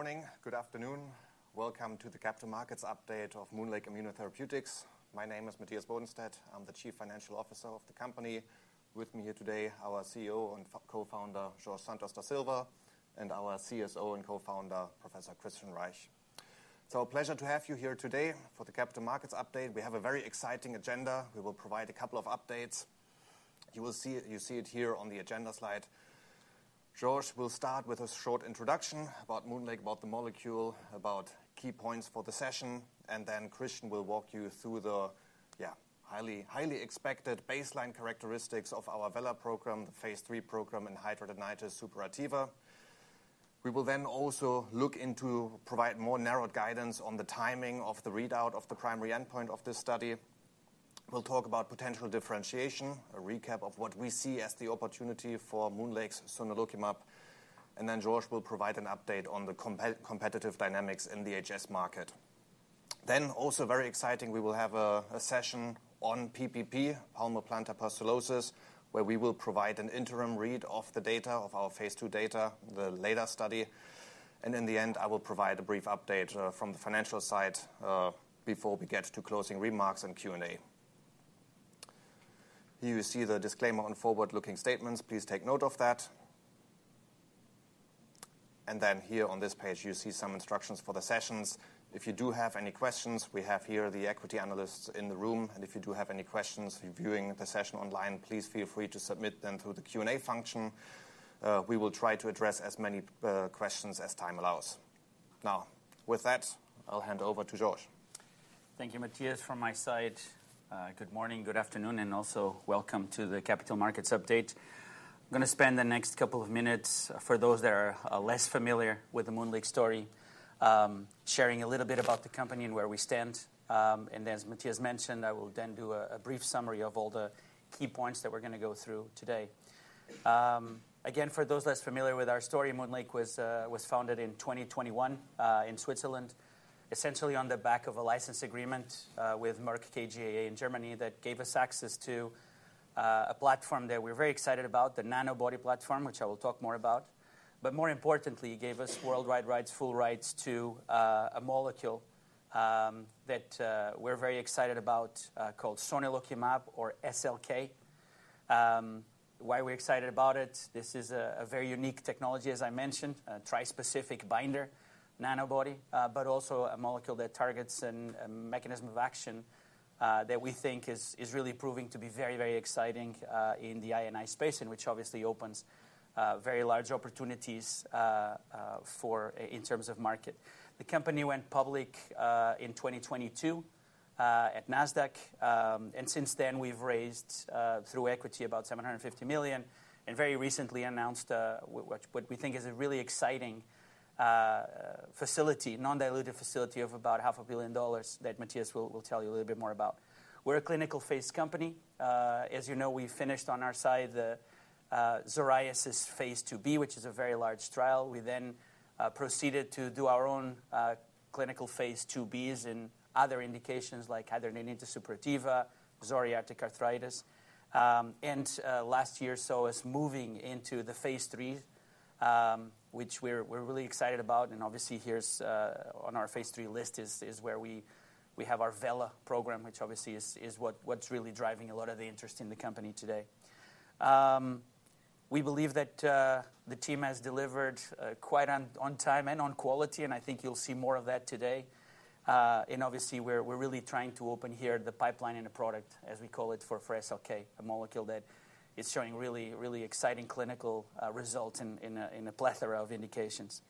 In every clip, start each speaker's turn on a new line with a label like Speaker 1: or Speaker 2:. Speaker 1: Good morning, good afternoon, welcome to the capital markets update of MoonLake Immunotherapeutics. My name is Matthias Bodenstedt, I'm the Chief Financial Officer of the company. With me here today, our CEO and co-founder, Jorge Santos da Silva, and our CSO and co-founder, Professor Kristian Reich. It's our pleasure to have you here today for the capital markets update. We have a very exciting agenda. We will provide a couple of updates. You will see it here on the agenda slide. Jorge will start with a short introduction about MoonLake, about the molecule, about key points for the session, and then Kristian will walk you through the, yeah, highly, highly expected baseline characteristics of our VELA program, the phase III program in Hidradenitis Suppurativa. We will then also look into providing more narrowed guidance on the timing of the readout of the primary endpoint of this study. We'll talk about potential differentiation, a recap of what we see as the opportunity for MoonLake's Sonelokimab, and then Jorge will provide an update on the competitive dynamics in the HS market. Also very exciting, we will have a session on PPP, palmoplantar pustulosis, where we will provide an interim read of the data, of our phase II data, the LEDA study, and in the end, I will provide a brief update from the financial side before we get to closing remarks and Q&A. Here you see the disclaimer on forward-looking statements. Please take note of that. Here on this page, you see some instructions for the sessions. If you do have any questions, we have here the equity analysts in the room, and if you do have any questions viewing the session online, please feel free to submit them through the Q&A function. We will try to address as many questions as time allows. Now, with that, I'll hand over to Jorge.
Speaker 2: Thank you, Matthias, from my side. Good morning, good afternoon, and also welcome to the capital markets update. I'm going to spend the next couple of minutes, for those that are less familiar with the MoonLake story, sharing a little bit about the company and where we stand, and then, as Matthias mentioned, I will then do a brief summary of all the key points that we're going to go through today. Again, for those less familiar with our story, MoonLake was founded in 2021 in Switzerland, essentially on the back of a license agreement with Merck KGaA in Germany that gave us access to a platform that we're very excited about, the Nanobody platform, which I will talk more about, but more importantly, it gave us worldwide rights, full rights to a molecule that we're very excited about called sonelokimab, or SLK. Why are we excited about it? This is a very unique technology, as I mentioned, a tri-specific binder Nanobody, but also a molecule that targets a mechanism of action that we think is really proving to be very, very exciting in the I&I space, which obviously opens very large opportunities in terms of market. The company went public in 2022 at Nasdaq, and since then, we've raised through equity about $750 million, and very recently announced what we think is a really exciting facility, non-dilutive facility of about half a billion dollars that Matthias will tell you a little bit more about. We're a clinical phase company. As you know, we finished on our side the psoriasis phase II-B, which is a very large trial. We then proceeded to do our own clinical phase II-Bs in other indications like hidradenitis suppurativa, psoriatic arthritis, and last year saw us moving into the phase III, which we're really excited about, and obviously here on our phase III list is where we have our VELA program, which obviously is what's really driving a lot of the interest in the company today. We believe that the team has delivered quite on time and on quality, and I think you'll see more of that today, and obviously we're really trying to open here the pipeline and the product, as we call it, for SLK, a molecule that is showing really, really exciting clinical results in a plethora of indications.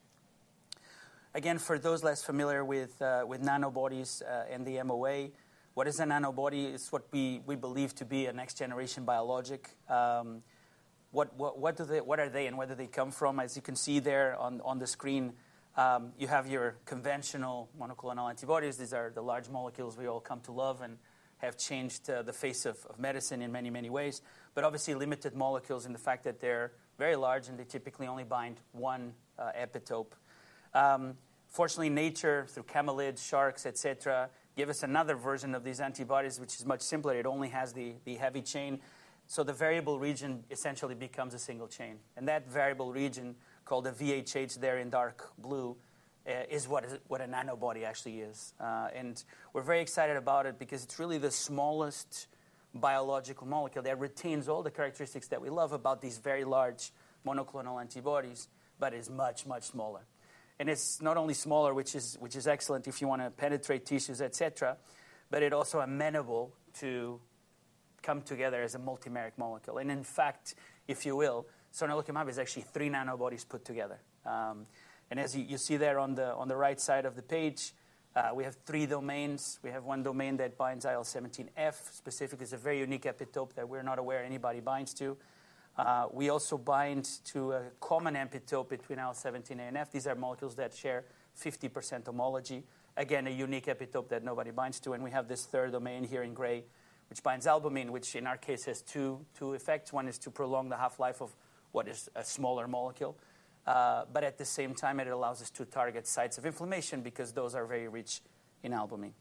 Speaker 2: Again, for those less familiar with nanobodies and the MOA, what is a Nanobody? It's what we believe to be a next-generation biologic. What are they and where do they come from? As you can see there on the screen, you have your conventional monoclonal antibodies. These are the large molecules we all come to love and have changed the face of medicine in many, many ways, but obviously limited molecules in the fact that they're very large and they typically only bind one epitope. Fortunately, nature, through camelid, sharks, etc., gave us another version of these antibodies, which is much simpler. It only has the heavy chain, so the variable region essentially becomes a single chain, and that variable region, called the VHH there in dark blue, is what a Nanobody actually is, and we're very excited about it because it's really the smallest biological molecule that retains all the characteristics that we love about these very large monoclonal antibodies, but it's much, much smaller. It is not only smaller, which is excellent if you want to penetrate tissues, etc., but it is also amenable to come together as a multimeric molecule, and in fact, if you will, sonelokimab is actually three nanobodies put together. As you see there on the right side of the page, we have three domains. We have one domain that binds IL-17F, specifically it is a very unique epitope that we are not aware anybody binds to. We also bind to a common epitope between IL-17A and F. These are molecules that share 50% homology, again a unique epitope that nobody binds to, and we have this third domain here in gray, which binds albumin, which in our case has two effects. One is to prolong the half-life of what is a smaller molecule, but at the same time, it allows us to target sites of inflammation because those are very rich in albumin.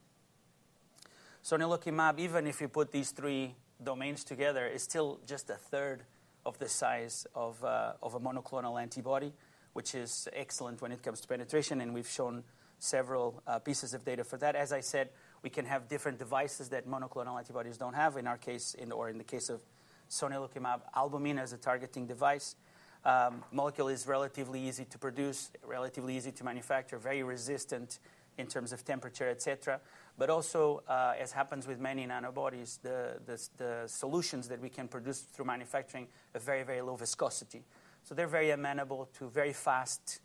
Speaker 2: Sonelokimab, even if you put these three domains together, is still just a third of the size of a monoclonal antibody, which is excellent when it comes to penetration, and we've shown several pieces of data for that. As I said, we can have different devices that monoclonal antibodies don't have. In our case, or in the case of sonelokimab, albumin is a targeting device. The molecule is relatively easy to produce, relatively easy to manufacture, very resistant in terms of temperature, etc., but also, as happens with many nanobodies, the solutions that we can produce through manufacturing have very, very low viscosity, so they're very amenable to very fast,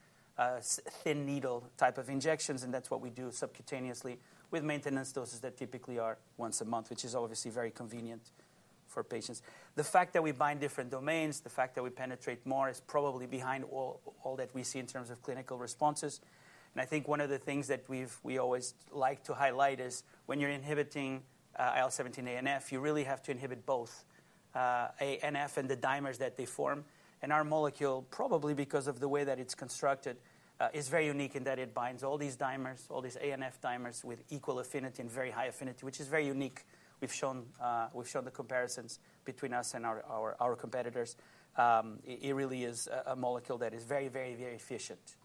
Speaker 2: thin-needle type of injections, and that's what we do subcutaneously with maintenance doses that typically are once a month, which is obviously very convenient for patients. The fact that we bind different domains, the fact that we penetrate more, is probably behind all that we see in terms of clinical responses, and I think one of the things that we always like to highlight is when you're inhibiting IL-17A and F, you really have to inhibit both NF and the dimers that they form, and our molecule, probably because of the way that it's constructed, is very unique in that it binds all these dimers, all these A and F dimers, with equal affinity and very high affinity, which is very unique. We've shown the comparisons between us and our competitors. It really is a molecule that is very, very, very efficient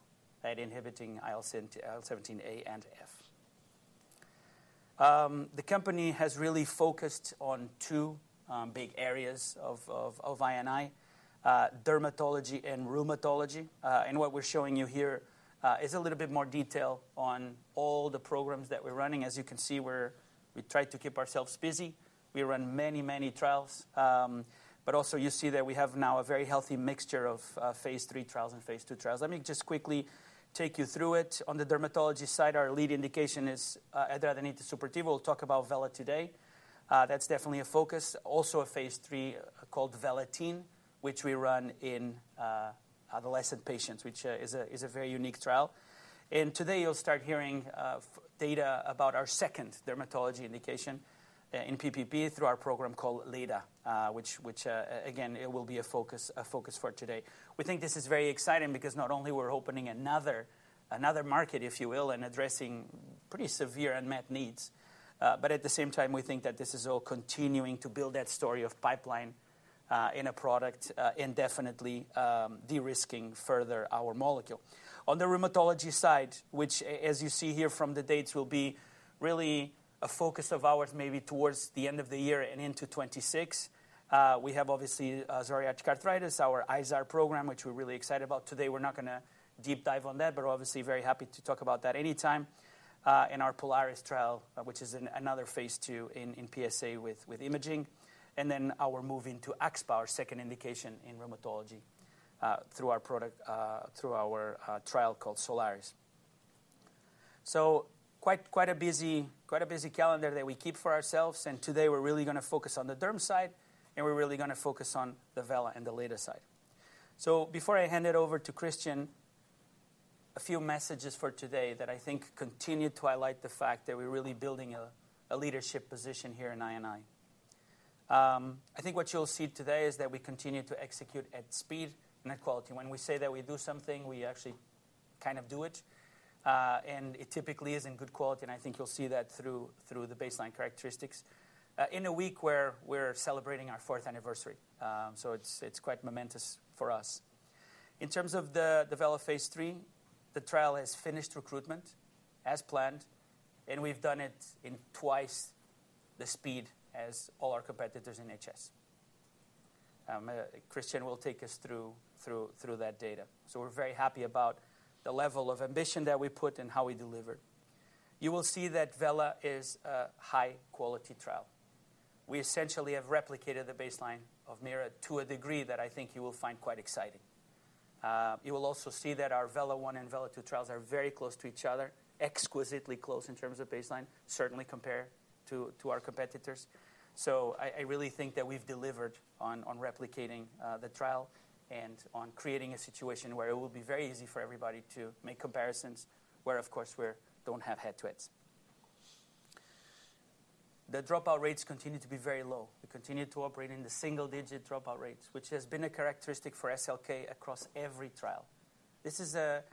Speaker 2: at inhibiting IL-17A and F. The company has really focused on two big areas of I&I: dermatology and rheumatology, and what we're showing you here is a little bit more detail on all the programs that we're running. As you can see, we try to keep ourselves busy. We run many, many trials, but also you see that we have now a very healthy mixture of phase III trials and phase II trials. Let me just quickly take you through it. On the dermatology side, our lead indication is hidradenitis suppurativa. We'll talk about VELA today. That's definitely a focus. Also, a phase III called Velatine, which we run in adolescent patients, which is a very unique trial. Today, you'll start hearing data about our second dermatology indication in PPP through our program called LEDA, which, again, will be a focus for today. We think this is very exciting because not only we're opening another market, if you will, and addressing pretty severe unmet needs, but at the same time, we think that this is all continuing to build that story of pipeline in a product and definitely de-risking further our molecule. On the rheumatology side, which, as you see here from the dates, will be really a focus of ours maybe towards the end of the year and into 2026, we have obviously psoriatic arthritis, our ISAR program, which we're really excited about. Today, we're not going to deep dive on that, but obviously very happy to talk about that anytime, and our Polaris trial, which is another phase II in PsA with imaging, and then our move into axSpA, second indication in rheumatology through our trial called S-OLARIS. Quite a busy calendar that we keep for ourselves, and today we're really going to focus on the derm side, and we're really going to focus on the VELA and the LEDA side. Before I hand it over to Kristian, a few messages for today that I think continue to highlight the fact that we're really building a leadership position here in I&I. I think what you'll see today is that we continue to execute at speed and at quality. When we say that we do something, we actually kind of do it, and it typically is in good quality, and I think you'll see that through the baseline characteristics in a week where we're celebrating our fourth anniversary, so it's quite momentous for us. In terms of the VELA phase III, the trial has finished recruitment as planned, and we've done it in twice the speed as all our competitors in HS. Kristian will take us through that data, so we're very happy about the level of ambition that we put and how we delivered. You will see that VELA is a high-quality trial. We essentially have replicated the baseline of MIRA to a degree that I think you will find quite exciting. You will also see that our VELA-1 and VELA-2 trials are very close to each other, exquisitely close in terms of baseline, certainly compared to our competitors, so I really think that we've delivered on replicating the trial and on creating a situation where it will be very easy for everybody to make comparisons where, of course, we don't have head-to-heads. The dropout rates continue to be very low. We continue to operate in the single-digit dropout rates, which has been a characteristic for SLK across every trial. This is a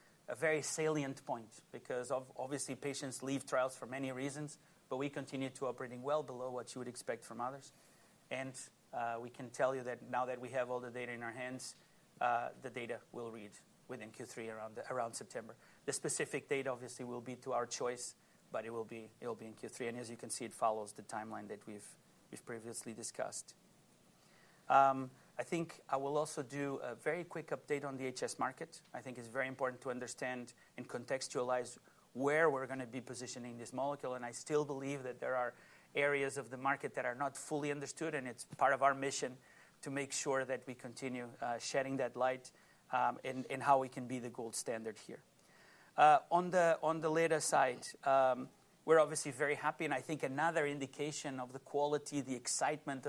Speaker 2: very salient point because obviously patients leave trials for many reasons, but we continue to operate well below what you would expect from others, and we can tell you that now that we have all the data in our hands, the data will reach within Q3, around September. The specific data, obviously, will be to our choice, but it will be in Q3, and as you can see, it follows the timeline that we've previously discussed. I think I will also do a very quick update on the HS market. I think it's very important to understand and contextualize where we're going to be positioning this molecule, and I still believe that there are areas of the market that are not fully understood, and it's part of our mission to make sure that we continue shedding that light and how we can be the gold standard here. On the LEDA side, we're obviously very happy, and I think another indication of the quality, the excitement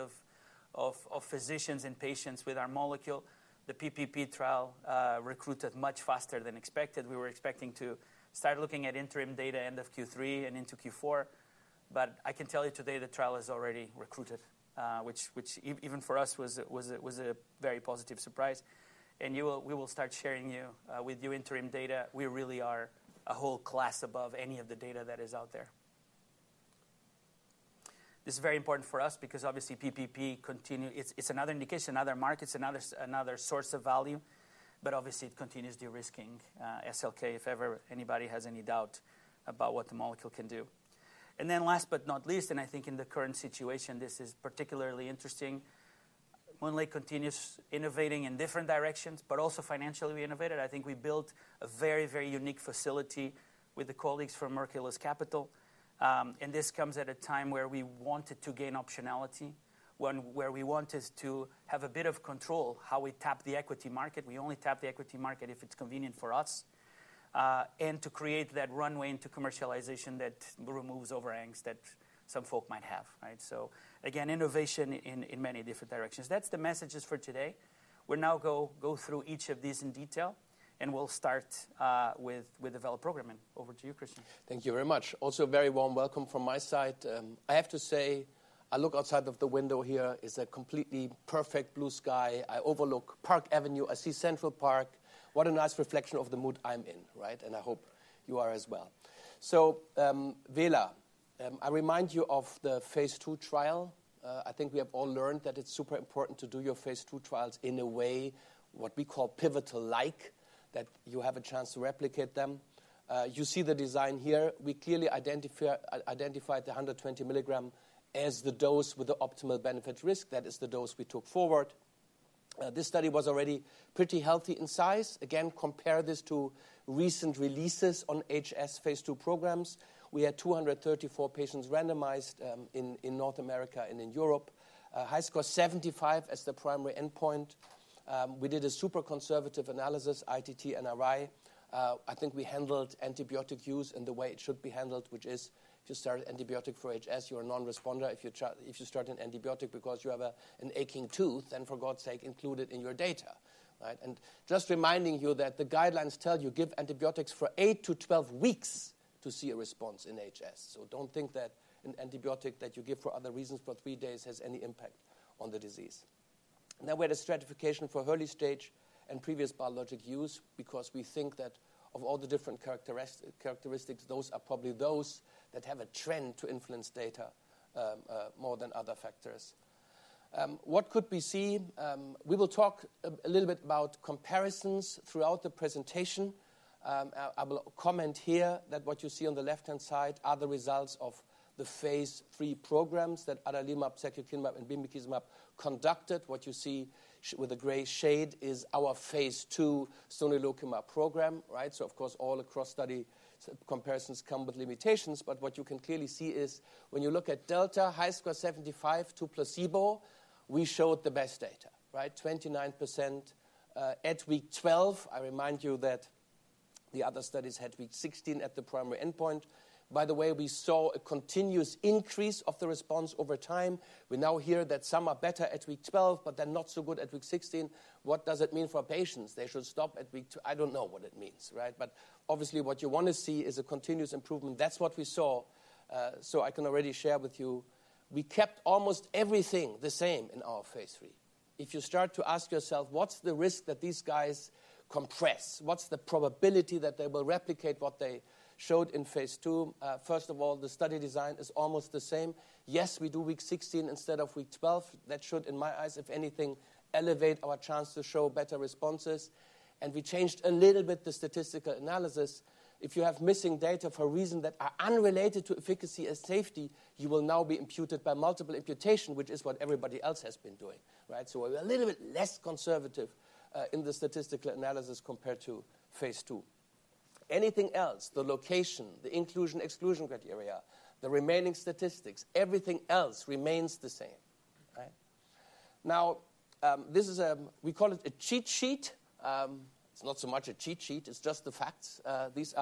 Speaker 2: of physicians and patients with our molecule, the PPP trial recruited much faster than expected. We were expecting to start looking at interim data end of Q3 and into Q4, but I can tell you today the trial is already recruited, which even for us was a very positive surprise, and we will start sharing with you interim data. We really are a whole class above any of the data that is out there. This is very important for us because obviously PPP continues; it's another indication, another market, another source of value, but obviously it continues de-risking SLK if ever anybody has any doubt about what the molecule can do. Last but not least, and I think in the current situation, this is particularly interesting, MoonLake continues innovating in different directions, but also financially we innovated. I think we built a very, very unique facility with the colleagues from Hercules Capital, and this comes at a time where we wanted to gain optionality, where we wanted to have a bit of control how we tap the equity market. We only tap the equity market if it's convenient for us, and to create that runway into commercialization that removes overhangs that some folk might have, right? Again, innovation in many different directions. That's the messages for today. We'll now go through each of these in detail, and we'll start with the VELA program, and over to you, Kristian.
Speaker 3: Thank you very much. Also, very warm welcome from my side. I have to say, I look outside of the window here; it's a completely perfect blue sky. I overlook Park Avenue, I see Central Park. What a nice reflection of the mood I'm in, right? I hope you are as well. VELA, I remind you of the phase II trial. I think we have all learned that it's super important to do your phase II trials in a way what we call pivotal-like, that you have a chance to replicate them. You see the design here. We clearly identified the 120 mg as the dose with the optimal benefit-risk. That is the dose we took forward. This study was already pretty healthy in size. Again, compare this to recent releases on HS phase II programs. We had 234 patients randomized in North America and in Europe. HiSCR75 as the primary endpoint. We did a super conservative analysis, ITT-NRI. I think we handled antibiotic use in the way it should be handled, which is if you start antibiotic for HS, you're a non-responder. If you start an antibiotic because you have an aching tooth, then for God's sake, include it in your data, right? Just reminding you that the guidelines tell you give antibiotics for 8-12 weeks to see a response in HS, so don't think that an antibiotic that you give for other reasons for three days has any impact on the disease. We had a stratification for early stage and previous biologic use because we think that of all the different characteristics, those are probably those that have a trend to influence data more than other factors. What could we see? We will talk a little bit about comparisons throughout the presentation. I will comment here that what you see on the left-hand side are the results of the phase III programs that Humira, secukinumab, and bimekizumab conducted. What you see with the gray shade is our phase II sonelokimab program, right? Of course, all the cross-study comparisons come with limitations, but what you can clearly see is when you look at delta, HiSCR75 to placebo, we showed the best data, right? 29% at week 12. I remind you that the other studies had week 16 at the primary endpoint. By the way, we saw a continuous increase of the response over time. We now hear that some are better at week 12, but they're not so good at week 16. What does it mean for patients? They should stop at week two. I don't know what it means, right? Obviously, what you want to see is a continuous improvement. That's what we saw, so I can already share with you. We kept almost everything the same in our phase III. If you start to ask yourself, what's the risk that these guys compress? What's the probability that they will replicate what they showed in phase II? First of all, the study design is almost the same. Yes, we do week 16 instead of week 12. That should, in my eyes, if anything, elevate our chance to show better responses, and we changed a little bit the statistical analysis. If you have missing data for a reason that is unrelated to efficacy and safety, you will now be imputed by multiple imputation, which is what everybody else has been doing, right? We are a little bit less conservative in the statistical analysis compared to phase II. Anything else? The location, the inclusion-exclusion criteria, the remaining statistics, everything else remains the same, right? Now, this is a, we call it a cheat sheet. It is not so much a cheat sheet; it is just the facts. These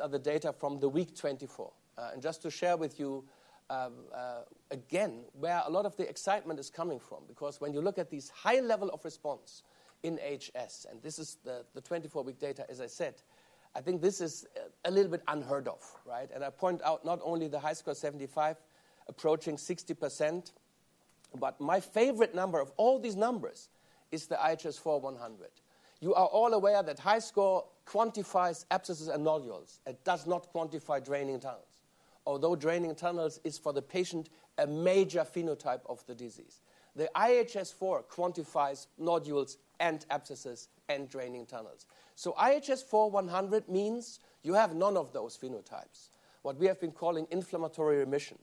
Speaker 3: are the data from the week 24, and just to share with you again where a lot of the excitement is coming from, because when you look at these high levels of response in HS, and this is the 24-week data, as I said, I think this is a little bit unheard of, right? I point out not only the HiSCR75 approaching 60%, but my favorite number of all these numbers is the IHS4-100. You are all aware that HiSCR quantifies abscesses and nodules. It does not quantify draining tunnels, although draining tunnels is for the patient a major phenotype of the disease. The IHS4 quantifies nodules and abscesses and draining tunnels. IHS4-100 means you have none of those phenotypes, what we have been calling inflammatory remission.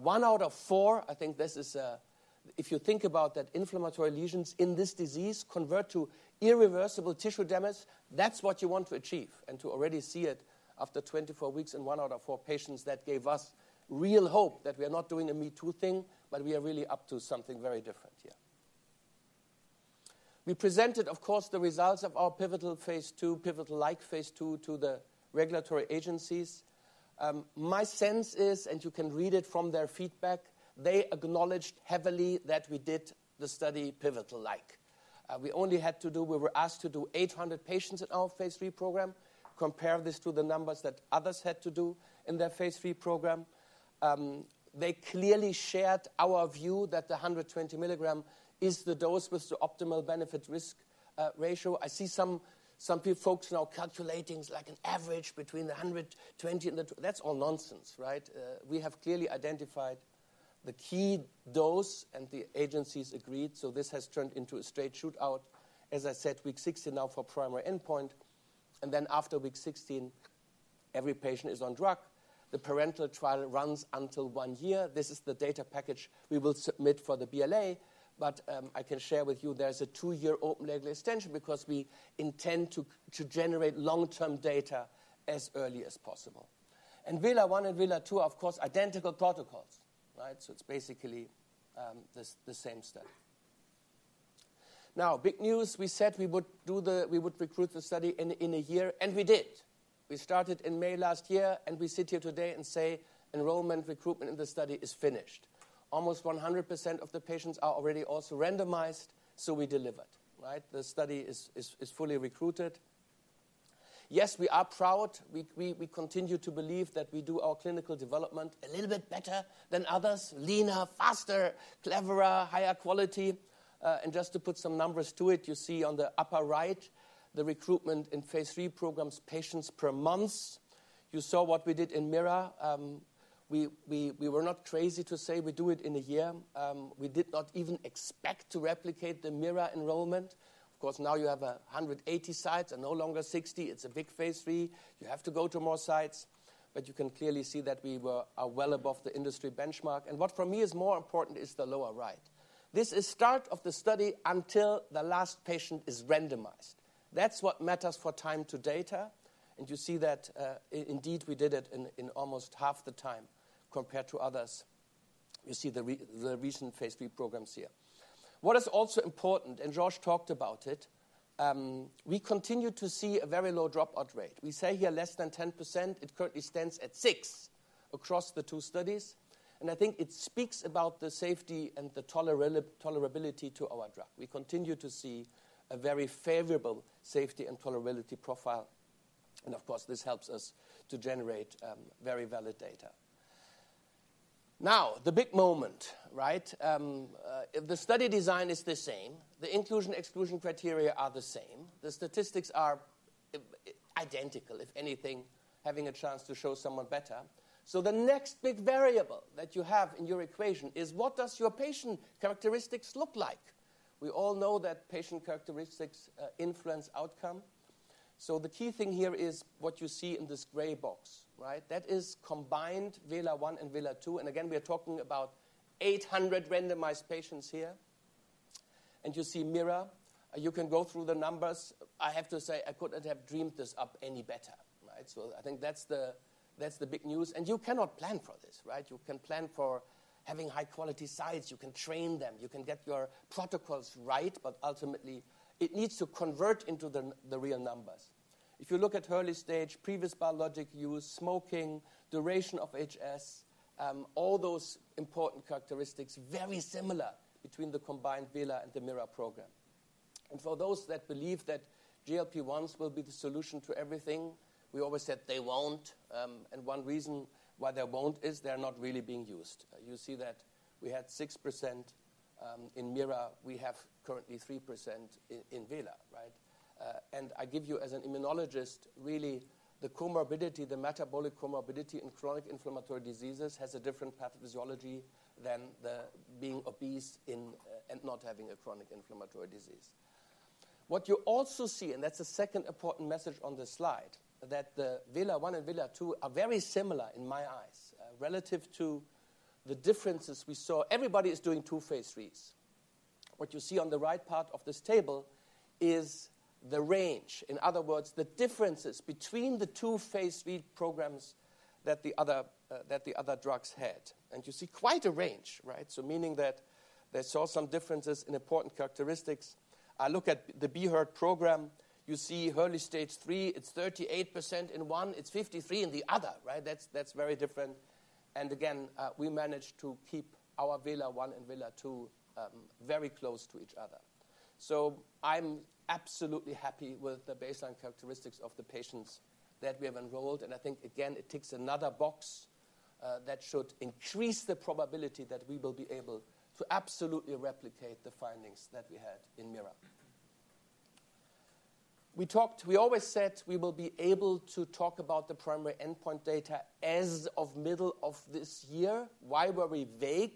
Speaker 3: One out of four, I think this is, if you think about that inflammatory lesions in this disease convert to irreversible tissue damage, that's what you want to achieve, and to already see it after 24 weeks in one out of four patients, that gave us real hope that we are not doing a me-too thing, but we are really up to something very different here. We presented, of course, the results of our pivotal phase II, pivotal-like phase II to the regulatory agencies. My sense is, and you can read it from their feedback, they acknowledged heavily that we did the study pivotal-like. We only had to do, we were asked to do 800 patients in our phase III program. Compare this to the numbers that others had to do in their phase III program. They clearly shared our view that the 120 milligram is the dose with the optimal benefit-risk ratio. I see some folks now calculating like an average between 120 and, that's all nonsense, right? We have clearly identified the key dose, and the agencies agreed, so this has turned into a straight shootout. As I said, week 16 now for primary endpoint, and then after week 16, every patient is on drug. The parental trial runs until one year. This is the data package we will submit for the BLA, but I can share with you there's a two-year open label extension because we intend to generate long-term data as early as possible. VELA-1 and VELA-2, of course, identical protocols, right? It's basically the same study. Big news, we said we would do the, we would recruit the study in a year, and we did. We started in May last year, and we sit here today and say enrollment recruitment in the study is finished. Almost 100% of the patients are already also randomized, so we delivered, right? The study is fully recruited. Yes, we are proud. We continue to believe that we do our clinical development a little bit better than others, leaner, faster, cleverer, higher quality. Just to put some numbers to it, you see on the upper right the recruitment in phase III programs, patients per month. You saw what we did in MIRA. We were not crazy to say we do it in a year. We did not even expect to replicate the MIRA enrollment. Of course, now you have 180 sites and no longer 60. It's a big phase III. You have to go to more sites, but you can clearly see that we are well above the industry benchmark, and what for me is more important is the lower right. This is the start of the study until the last patient is randomized. That's what matters for time to data, and you see that indeed we did it in almost half the time compared to others. You see the recent phase III programs here. What is also important, and Josh talked about it, we continue to see a very low dropout rate. We say here less than 10%. It currently stands at 6% across the two studies, and I think it speaks about the safety and the tolerability to our drug. We continue to see a very favorable safety and tolerability profile, and of course, this helps us to generate very valid data. Now, the big moment, right? The study design is the same. The inclusion-exclusion criteria are the same. The statistics are identical, if anything, having a chance to show someone better. The next big variable that you have in your equation is what does your patient characteristics look like? We all know that patient characteristics influence outcome, so the key thing here is what you see in this gray box, right? That is combined VELA-1 and VELA-2, and again, we are talking about 800 randomized patients here, and you see MIRA. You can go through the numbers. I have to say I couldn't have dreamed this up any better, right? I think that's the big news, and you cannot plan for this, right? You can plan for having high-quality sites. You can train them. You can get your protocols right, but ultimately it needs to convert into the real numbers. If you look at early stage, previous biologic use, smoking, duration of HS, all those important characteristics very similar between the combined VELA and the MIRA program. For those that believe that GLP-1s will be the solution to everything, we always said they won't, and one reason why they won't is they're not really being used. You see that we had 6% in MIRA. We have currently 3% in VELA, right? I give you as an immunologist, really the comorbidity, the metabolic comorbidity in chronic inflammatory diseases has a different pathophysiology than being obese and not having a chronic inflammatory disease. What you also see, that's the second important message on the slide, that the VELA-1 and VELA-2 are very similar in my eyes relative to the differences we saw. Everybody is doing two phase IIIs. What you see on the right part of this table is the range, in other words, the differences between the two phase III programs that the other drugs had, and you see quite a range, right? Meaning that they saw some differences in important characteristics. I look at the BHERT program. You see early stage 3, it's 38% in one, it's 53% in the other, right? That's very different, and again, we managed to keep our VELA-1 and VELA-a 2 very close to each other. I am absolutely happy with the baseline characteristics of the patients that we have enrolled, and I think again it ticks another box that should increase the probability that we will be able to absolutely replicate the findings that we had in MIRA. We talked, we always said we will be able to talk about the primary endpoint data as of middle of this year. Why were we vague?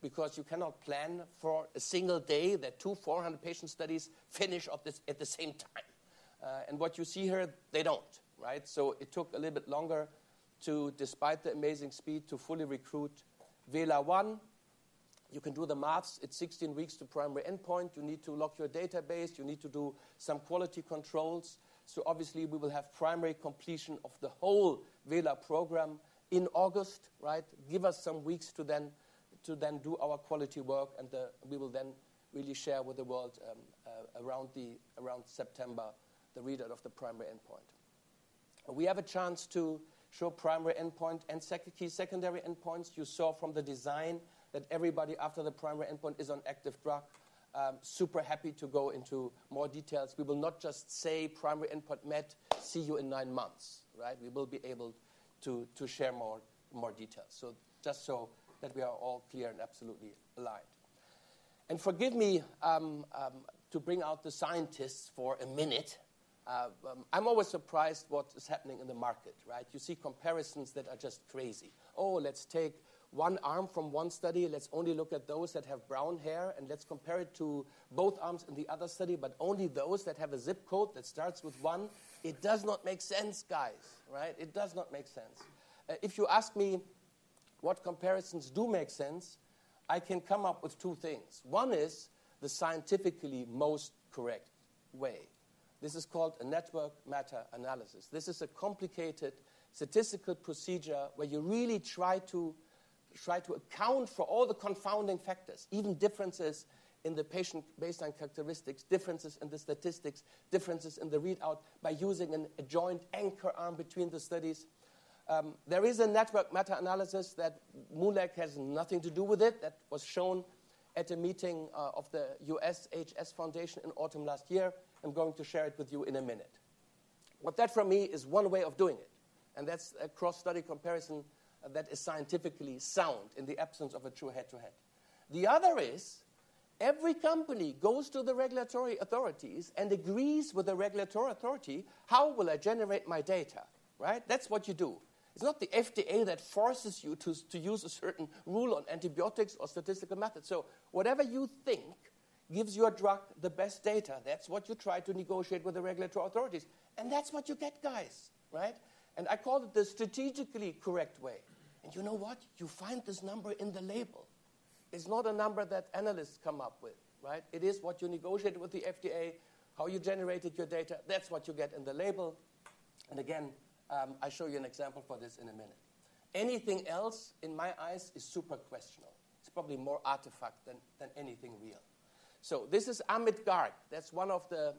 Speaker 3: Because you cannot plan for a single day that two 400-patient studies finish at the same time, and what you see here, they do not, right? It took a little bit longer to, despite the amazing speed, to fully recruit VELA-1. You can do the maths. It is 16 weeks to primary endpoint. You need to lock your database. You need to do some quality controls, so obviously we will have primary completion of the whole VELA program in August, right? Give us some weeks to then do our quality work, and we will then really share with the world around September the readout of the primary endpoint. We have a chance to show primary endpoint and key secondary endpoints. You saw from the design that everybody after the primary endpoint is on active drug. Super happy to go into more details. We will not just say primary endpoint met, see you in nine months, right? We will be able to share more details, just so that we are all clear and absolutely aligned. Forgive me to bring out the scientists for a minute. I'm always surprised what is happening in the market, right? You see comparisons that are just crazy. Oh, let's take one arm from one study. Let's only look at those that have brown hair, and let's compare it to both arms in the other study, but only those that have a zip code that starts with one. It does not make sense, guys, right? It does not make sense. If you ask me what comparisons do make sense, I can come up with two things. One is the scientifically most correct way. This is called a network meta-analysis. This is a complicated statistical procedure where you really try to account for all the confounding factors, even differences in the patient baseline characteristics, differences in the statistics, differences in the readout by using a joint anchor arm between the studies. There is a network meta-analysis that MoonLake has nothing to do with it. That was shown at a meeting of the USHS Foundation in autumn last year. I'm going to share it with you in a minute. That for me is one way of doing it, and that's a cross-study comparison that is scientifically sound in the absence of a true head-to-head. The other is every company goes to the regulatory authorities and agrees with the regulatory authority. How will I generate my data, right? That's what you do. It's not the FDA that forces you to use a certain rule on antibiotics or statistical methods, so whatever you think gives your drug the best data, that's what you try to negotiate with the regulatory authorities, and that's what you get, guys, right? I call it the strategically correct way, and you know what? You find this number in the label. It's not a number that analysts come up with, right? It is what you negotiate with the FDA, how you generated your data. That's what you get in the label, and again, I show you an example for this in a minute. Anything else in my eyes is super questionable. It's probably more artifact than anything real. This is Amit Garg. That's one of the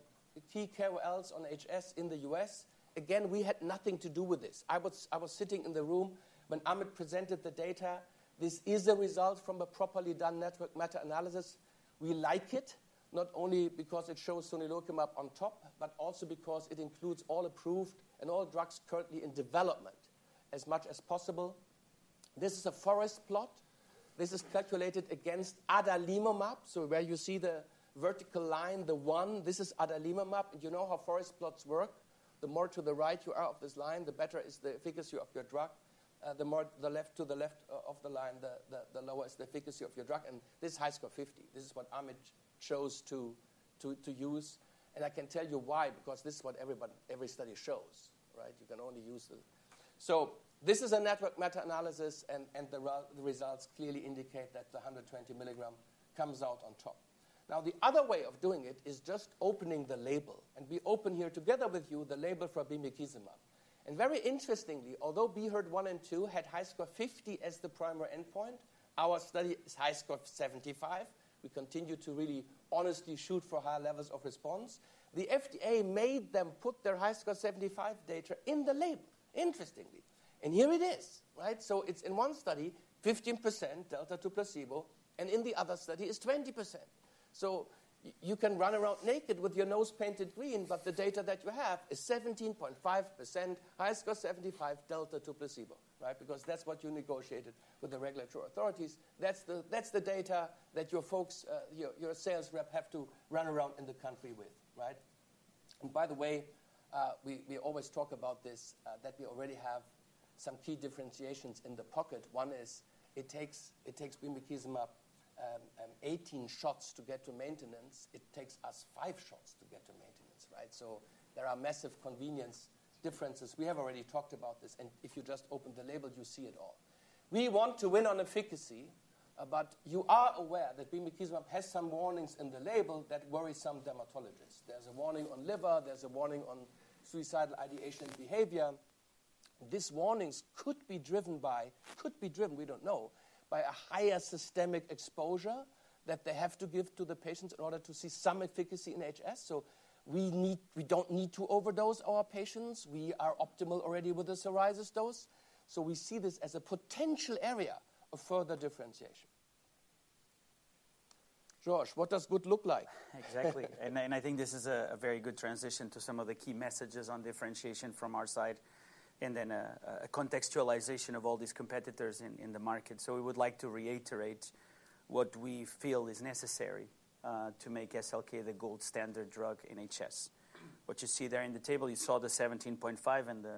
Speaker 3: key KOLs on HS in the US. Again, we had nothing to do with this. I was sitting in the room when Amit presented the data. This is a result from a properly done network meta-analysis. We like it not only because it shows sonelokimab on top, but also because it includes all approved and all drugs currently in development as much as possible. This is a forest plot. This is calculated against adalimumab, so where you see the vertical line, the one, this is adalimumab, and you know how forest plots work. The more to the right you are of this line, the better is the efficacy of your drug. The more to the left of the line, the lower is the efficacy of your drug, and this HiSCR50. This is what Amit chose to use, and I can tell you why, because this is what every study shows, right? You can only use the. This is a network meta-analysis, and the results clearly indicate that the 120 milligram comes out on top. Now, the other way of doing it is just opening the label, and we open here together with you the label for bimekizumab. And very interestingly, although BE HEARD 1 and 2 had HiSCR50 as the primary endpoint, our study is HiSCR75. We continue to really honestly shoot for higher levels of response. The FDA made them put their HiSCR75 data in the label, interestingly, and here it is, right? It is in one study 15% delta to placebo, and in the other study it is 20%. You can run around naked with your nose painted green, but the data that you have is 17.5% HiSCR75 delta to placebo, right? Because that is what you negotiated with the regulatory authorities. That is the data that your folks, your sales rep have to run around in the country with, right? By the way, we always talk about this that we already have some key differentiations in the pocket. One is it takes bimekizumab 18 shots to get to maintenance. It takes us five shots to get to maintenance, right? There are massive convenience differences. We have already talked about this, and if you just open the label, you see it all. We want to win on efficacy, but you are aware that bimekizumab has some warnings in the label that worry some dermatologists. There is a warning on liver. There is a warning on suicidal ideation behavior. These warnings could be driven by, could be driven, we do not know, by a higher systemic exposure that they have to give to the patients in order to see some efficacy in HS. We do not need to overdose our patients. We are optimal already with the psoriasis dose, so we see this as a potential area of further differentiation.
Speaker 4: Jorge, what does good look like?
Speaker 2: Exactly, and I think this is a very good transition to some of the key messages on differentiation from our side, and then a contextualization of all these competitors in the market. We would like to reiterate what we feel is necessary to make SLK the gold standard drug in HS. What you see there in the table, you saw the 17.5 and the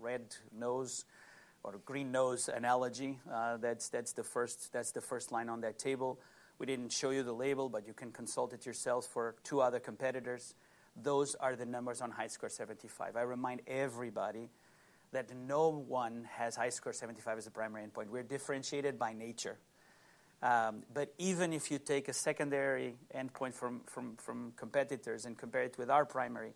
Speaker 2: red nose or green nose analogy. That is the first line on that table. We did not show you the label, but you can consult it yourselves for two other competitors. Those are the numbers on HiSCR75. I remind everybody that no one has HiSCR75 as a primary endpoint. We are differentiated by nature, but even if you take a secondary endpoint from competitors and compare it with our primary,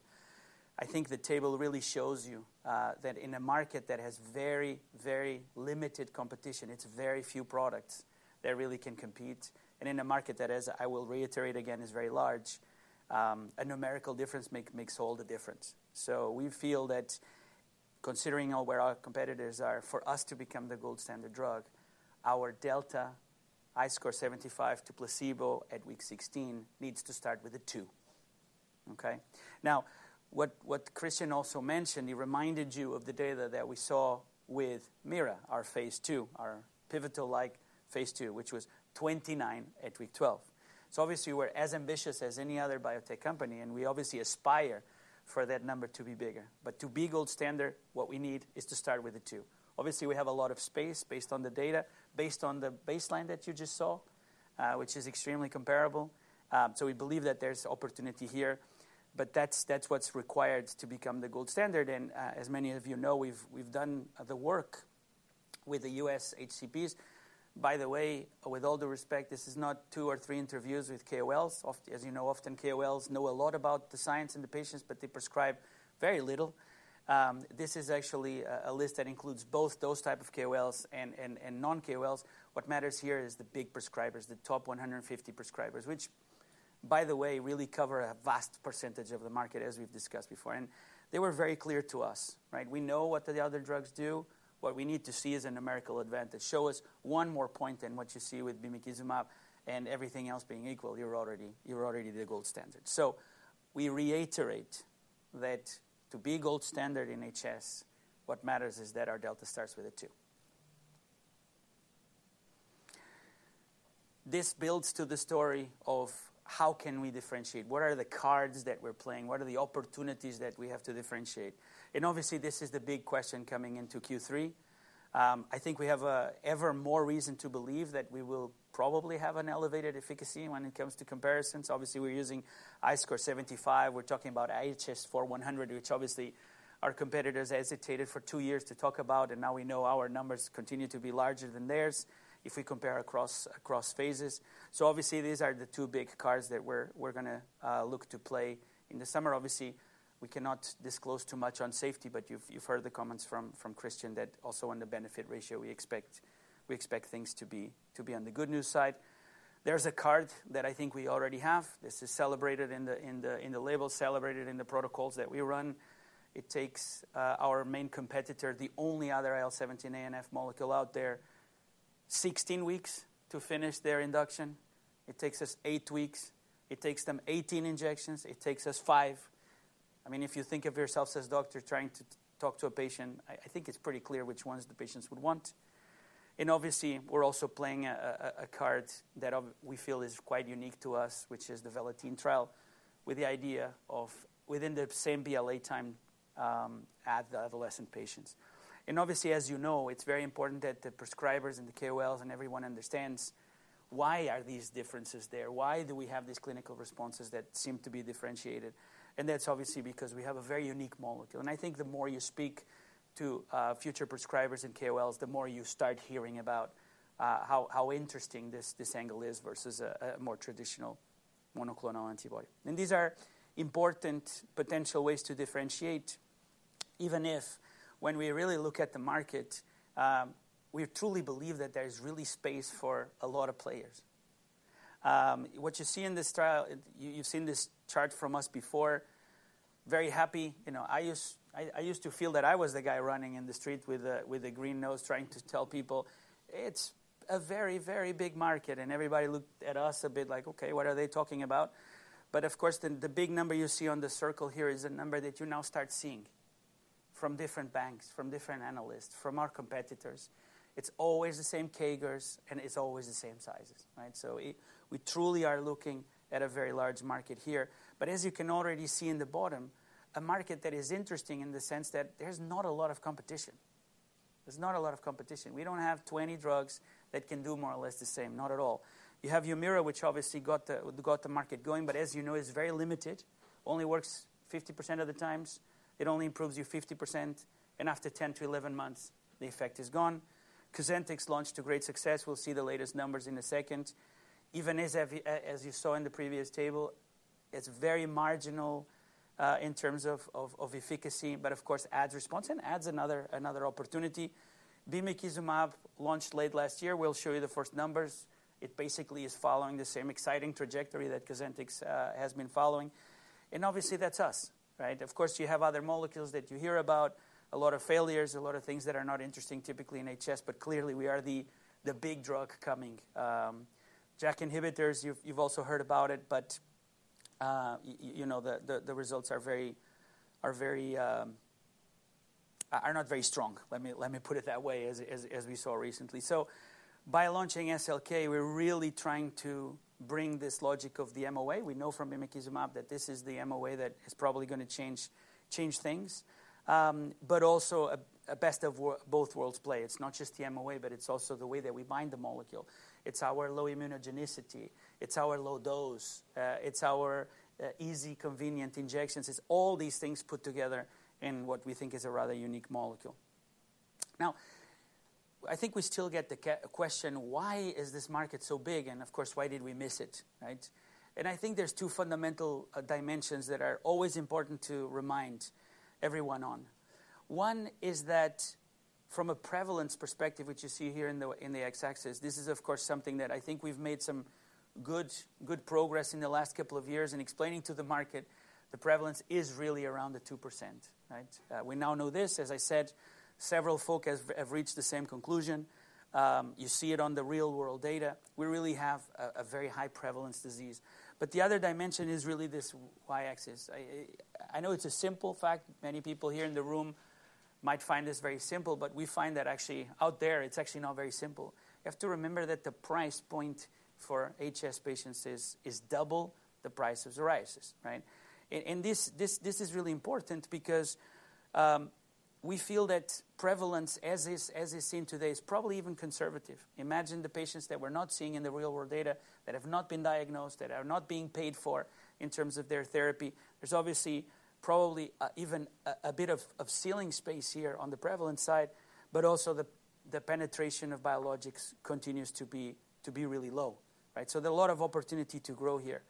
Speaker 2: I think the table really shows you that in a market that has very, very limited competition, it is very few products that really can compete, and in a market that, as I will reiterate again, is very large, a numerical difference makes all the difference. We feel that considering where our competitors are, for us to become the gold standard drug, our delta HiSCR75 to placebo at week 16 needs to start with a two, okay? Now, what Kristian also mentioned, he reminded you of the data that we saw with MIRA, our phase II our pivotal-like phase II, which was 29 at week 12. Obviously, we're as ambitious as any other biotech company, and we obviously aspire for that number to be bigger, but to be gold standard, what we need is to start with a 2. Obviously, we have a lot of space based on the data, based on the baseline that you just saw, which is extremely comparable, so we believe that there's opportunity here, but that's what's required to become the gold standard. As many of you know, we've done the work with the US HCPs. By the way, with all due respect, this is not two or three interviews with KOLs. As you know, often KOLs know a lot about the science and the patients, but they prescribe very little. This is actually a list that includes both those types of KOLs and non-KOLs. What matters here is the big prescribers, the top 150 prescribers, which, by the way, really cover a vast percentage of the market, as we've discussed before, and they were very clear to us, right? We know what the other drugs do. What we need to see is a numerical advantage. Show us one more point, and what you see with bimekizumab and everything else being equal, you're already the gold standard. We reiterate that to be gold standard in HS, what matters is that our delta starts with a 2. This builds to the story of how can we differentiate? What are the cards that we're playing? What are the opportunities that we have to differentiate? Obviously, this is the big question coming into Q3. I think we have ever more reason to believe that we will probably have an elevated efficacy when it comes to comparisons. Obviously, we're using HiSCR75. We're talking about IHS4-100, which obviously our competitors hesitated for two years to talk about, and now we know our numbers continue to be larger than theirs if we compare across phases. These are the two big cards that we're going to look to play in the summer. Obviously, we cannot disclose too much on safety, but you've heard the comments from Christian that also on the benefit ratio, we expect things to be on the good news side. There's a card that I think we already have. This is celebrated in the label, celebrated in the protocols that we run. It takes our main competitor, the only other IL-17A/F molecule out there, 16 weeks to finish their induction. It takes us eight weeks. It takes them 18 injections. It takes us five. I mean, if you think of yourselves as doctors trying to talk to a patient, I think it's pretty clear which ones the patients would want. Obviously, we're also playing a card that we feel is quite unique to us, which is the Velatine trial, with the idea of within the same BLA time at the adolescent patients. Obviously, as you know, it's very important that the prescribers and the KOLs and everyone understands why are these differences there? Why do we have these clinical responses that seem to be differentiated? That is obviously because we have a very unique molecule, and I think the more you speak to future prescribers and KOLs, the more you start hearing about how interesting this angle is versus a more traditional monoclonal antibody. These are important potential ways to differentiate, even if when we really look at the market, we truly believe that there is really space for a lot of players. What you see in this trial, you have seen this chart from us before. Very happy. I used to feel that I was the guy running in the street with a green nose trying to tell people it's a very, very big market, and everybody looked at us a bit like, "Okay, what are they talking about?" Of course, the big number you see on the circle here is a number that you now start seeing from different banks, from different analysts, from our competitors. It's always the same Kegers, and it's always the same sizes, right? We truly are looking at a very large market here, but as you can already see in the bottom, a market that is interesting in the sense that there's not a lot of competition. There's not a lot of competition. We don't have 20 drugs that can do more or less the same. Not at all. You have Humira, which obviously got the market going, but as you know, it's very limited. Only works 50% of the times. It only improves you 50%, and after 10 to 11 months, the effect is gone. COSENTYX launched to great success. We'll see the latest numbers in a second. Even as you saw in the previous table, it's very marginal in terms of efficacy, but of course, adds response and adds another opportunity. Bimekizumab launched late last year. We'll show you the first numbers. It basically is following the same exciting trajectory that COSENTYX has been following, and obviously, that's us, right? Of course, you have other molecules that you hear about, a lot of failures, a lot of things that are not interesting typically in HS, but clearly, we are the big drug coming. JAK inhibitors, you've also heard about it, but the results are very strong, let me put it that way, as we saw recently. By launching SLK, we're really trying to bring this logic of the MOA. We know from bimekizumab that this is the MOA that is probably going to change things, but also a best of both worlds play. It's not just the MOA, but it's also the way that we bind the molecule. It's our low immunogenicity. It's our low dose. It's our easy, convenient injections. It's all these things put together in what we think is a rather unique molecule. Now, I think we still get the question, why is this market so big? Of course, why did we miss it, right? I think there's two fundamental dimensions that are always important to remind everyone on. One is that from a prevalence perspective, which you see here in the x-axis, this is of course something that I think we've made some good progress in the last couple of years in explaining to the market the prevalence is really around the 2%, right? We now know this. As I said, several folk have reached the same conclusion. You see it on the real-world data. We really have a very high prevalence disease, but the other dimension is really this y-axis. I know it's a simple fact. Many people here in the room might find this very simple, but we find that actually out there, it's actually not very simple. You have to remember that the price point for HS patients is double the price of psoriasis, right? This is really important because we feel that prevalence, as is seen today, is probably even conservative. Imagine the patients that we're not seeing in the real-world data that have not been diagnosed, that are not being paid for in terms of their therapy. There's obviously probably even a bit of ceiling space here on the prevalence side, but also the penetration of biologics continues to be really low, right? There's a lot of opportunity to grow here.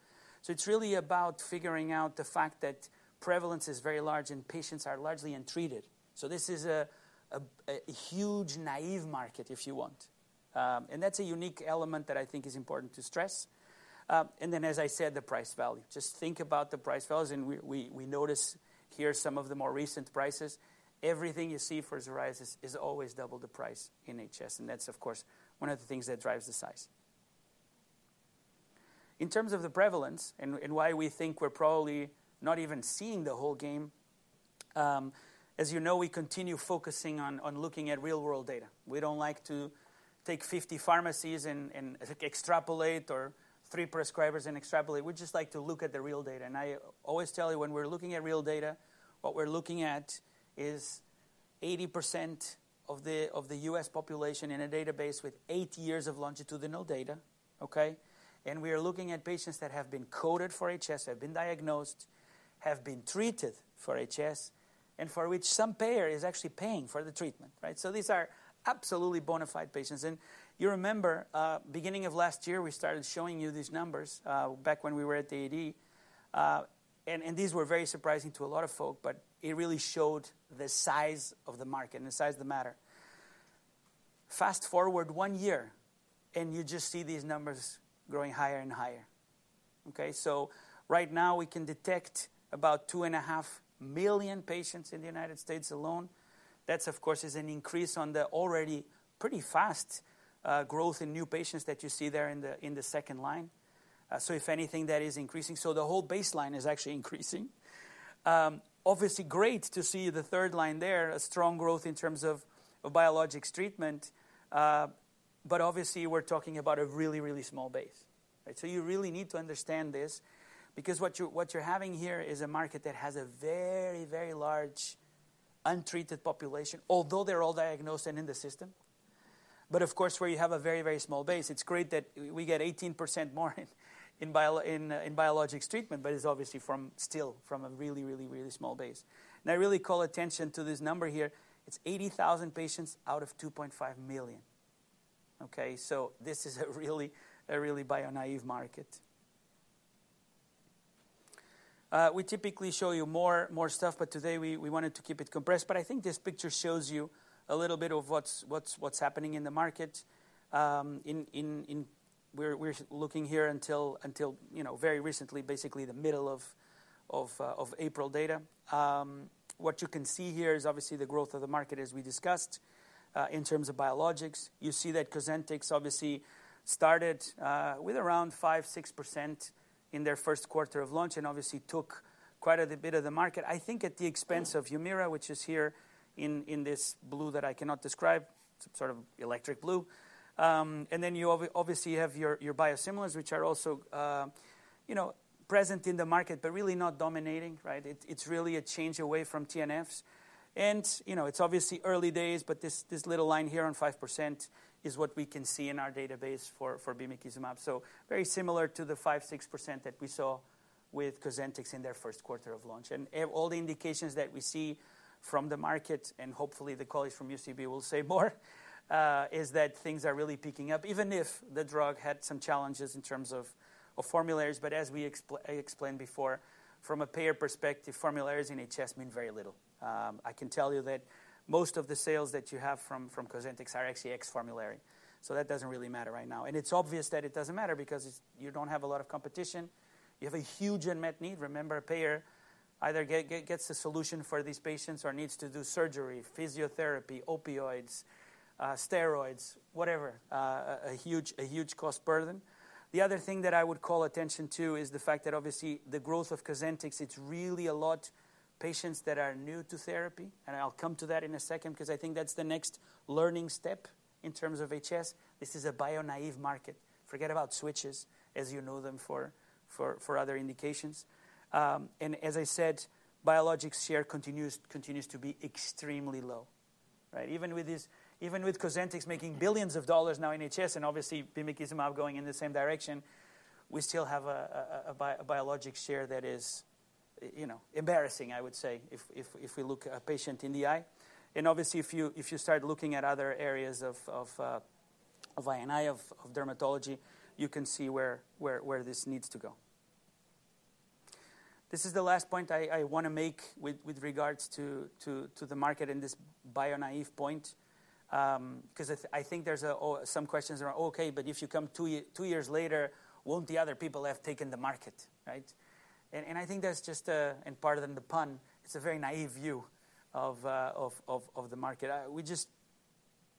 Speaker 2: It's really about figuring out the fact that prevalence is very large and patients are largely untreated. This is a huge naive market, if you want, and that's a unique element that I think is important to stress. As I said, the price value. Just think about the price values, and we notice here some of the more recent prices. Everything you see for psoriasis is always double the price in HS, and that's of course one of the things that drives the size. In terms of the prevalence and why we think we're probably not even seeing the whole game, as you know, we continue focusing on looking at real-world data. We don't like to take 50 pharmacies and extrapolate or three prescribers and extrapolate. We just like to look at the real data, and I always tell you when we're looking at real data, what we're looking at is 80% of the U.S. population in a database with eight years of longitudinal data, okay? We are looking at patients that have been coded for HS, have been diagnosed, have been treated for HS, and for which some payer is actually paying for the treatment, right? These are absolutely bona fide patients. You remember beginning of last year, we started showing you these numbers back when we were at the AD, and these were very surprising to a lot of folk, but it really showed the size of the market and the size of the matter. Fast forward one year, and you just see these numbers growing higher and higher, okay? Right now, we can detect about 2.5 million patients in the United States alone. That is of course an increase on the already pretty fast growth in new patients that you see there in the second line. If anything, that is increasing. The whole baseline is actually increasing. Obviously, great to see the third line there, a strong growth in terms of biologics treatment, but obviously, we're talking about a really, really small base, right? You really need to understand this because what you're having here is a market that has a very, very large untreated population, although they're all diagnosed and in the system, but of course, where you have a very, very small base, it's great that we get 18% more in biologics treatment, but it's obviously still from a really, really, really small base. I really call attention to this number here. It's 80,000 patients out of 2.5 million, okay? This is a really, really bio-naive market. We typically show you more stuff, but today we wanted to keep it compressed, but I think this picture shows you a little bit of what's happening in the market. We're looking here until very recently, basically the middle of April data. What you can see here is obviously the growth of the market, as we discussed, in terms of biologics. You see that Cosentyx obviously started with around 5-6% in their first quarter of launch and obviously took quite a bit of the market, I think at the expense of Humira, which is here in this blue that I cannot describe, sort of electric blue. You obviously have your biosimilars, which are also present in the market, but really not dominating, right? It is really a change away from TNFs, and it is obviously early days, but this little line here on 5% is what we can see in our database for bimekizumab. Very similar to the 5-6% that we saw with COSENTYX in their first quarter of launch. All the indications that we see from the market, and hopefully the colleagues from UCB will say more, is that things are really picking up, even if the drug had some challenges in terms of formularies. As we explained before, from a payer perspective, formularies in HS mean very little. I can tell you that most of the sales that you have from COSENTYX are actually ex-formulary, so that does not really matter right now. It is obvious that it does not matter because you do not have a lot of competition. You have a huge unmet need. Remember, a payer either gets a solution for these patients or needs to do surgery, physiotherapy, opioids, steroids, whatever, a huge cost burden. The other thing that I would call attention to is the fact that obviously the growth of COSENTYX, it is really a lot of patients that are new to therapy, and I will come to that in a second because I think that is the next learning step in terms of HS. This is a bio-naive market. Forget about switches, as you know them, for other indications. As I said, biologics share continues to be extremely low, right? Even with COSENTYX making billions of dollars now in HS and obviously bimekizumab going in the same direction, we still have a biologics share that is embarrassing, I would say, if we look a patient in the eye. Obviously, if you start looking at other areas of I&I, of dermatology, you can see where this needs to go. This is the last point I want to make with regards to the market and this bio-naive point because I think there's some questions around, "Okay, but if you come two years later, won't the other people have taken the market?" Right? I think that's just, in part of the pun, it's a very naive view of the market. We just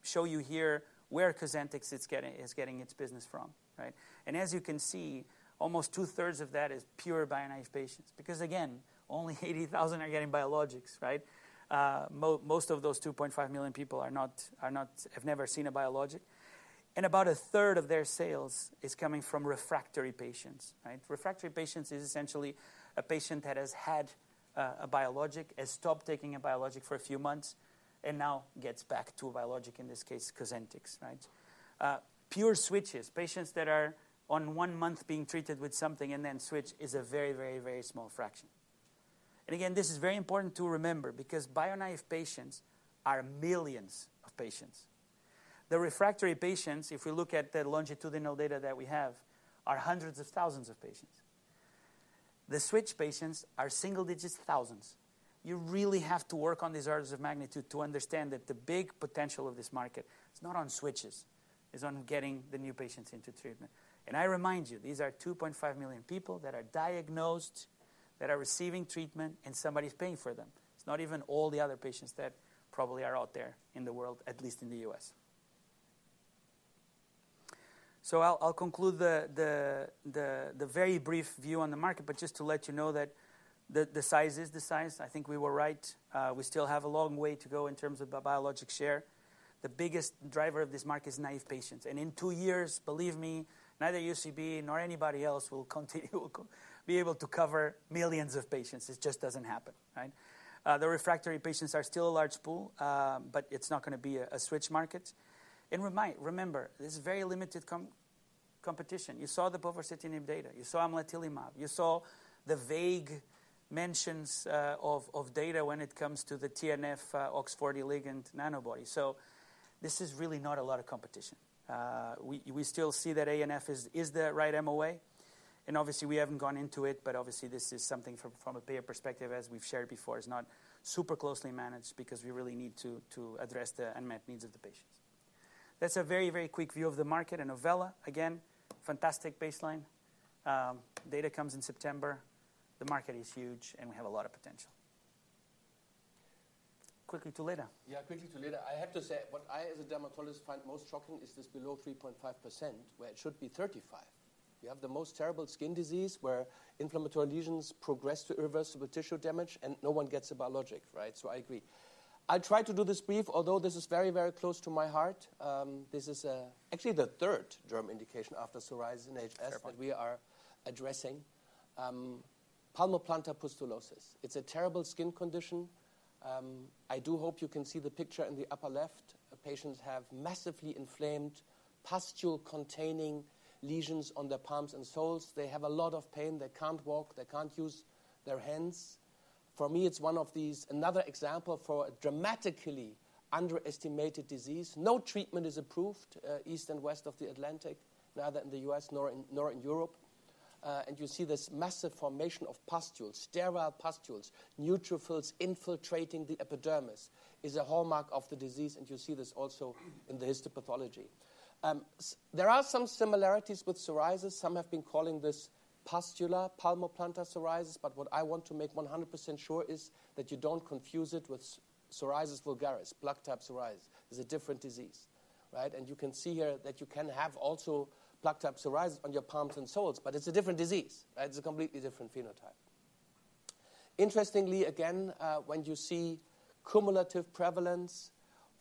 Speaker 2: show you here where COSENTYX is getting its business from, right? As you can see, almost two-thirds of that is pure bio-naive patients because, again, only 80,000 are getting biologics, right? Most of those 2.5 million people have never seen a biologic, and about a third of their sales is coming from refractory patients, right? Refractory patients is essentially a patient that has had a biologic, has stopped taking a biologic for a few months, and now gets back to a biologic, in this case, COSENTYX, right? Pure switches, patients that are on one month being treated with something and then switch is a very, very, very small fraction. This is very important to remember because bio-naive patients are millions of patients. The refractory patients, if we look at the longitudinal data that we have, are hundreds of thousands of patients. The switch patients are single-digit thousands. You really have to work on these orders of magnitude to understand that the big potential of this market is not on switches. It's on getting the new patients into treatment. I remind you, these are 2.5 million people that are diagnosed, that are receiving treatment, and somebody's paying for them. It's not even all the other patients that probably are out there in the world, at least in the U.S. I'll conclude the very brief view on the market, just to let you know that the size is the size. I think we were right. We still have a long way to go in terms of the biologics share. The biggest driver of this market is naive patients, and in two years, believe me, neither UCB nor anybody else will be able to cover millions of patients. It just doesn't happen, right? The refractory patients are still a large pool, but it's not going to be a switch market. Remember, this is very limited competition. You saw the tofacitinib data. You saw amlatilimab. You saw the vague mentions of data when it comes to the TNF, OX40 ligand Nanobody. This is really not a lot of competition. We still see that ANF is the right MOA, and obviously, we haven't gone into it, but obviously, this is something from a payer perspective, as we've shared before, is not super closely managed because we really need to address the unmet needs of the patients. That's a very, very quick view of the market, and Novella, again, fantastic baseline. Data comes in September. The market is huge, and we have a lot of potential. Quickly to LEDA.
Speaker 3: Yeah, quickly to LEDA. I have to say what I, as a dermatologist, find most shocking is this below 3.5%, where it should be 35%. You have the most terrible skin disease where inflammatory lesions progress to irreversible tissue damage, and no one gets a biologic, right? I agree. I'll try to do this brief, although this is very, very close to my heart. This is actually the third derm indication after psoriasis and HS that we are addressing, palmoplantar pustulosis. It's a terrible skin condition. I do hope you can see the picture in the upper left. Patients have massively inflamed pustule-containing lesions on their palms and soles. They have a lot of pain. They can't walk. They can't use their hands. For me, it's another example of a dramatically underestimated disease. No treatment is approved east and west of the Atlantic, neither in the U.S. nor in Europe. You see this massive formation of pustules, sterile pustules, neutrophils infiltrating the epidermis is a hallmark of the disease, and you see this also in the histopathology. There are some similarities with psoriasis. Some have been calling this pustular palmar plantar psoriasis, but what I want to make 100% sure is that you don't confuse it with psoriasis vulgaris, pluck-type psoriasis. It's a different disease, right? You can see here that you can have also pluck-type psoriasis on your palms and soles, but it's a different disease, right? It's a completely different phenotype. Interestingly, again, when you see cumulative prevalence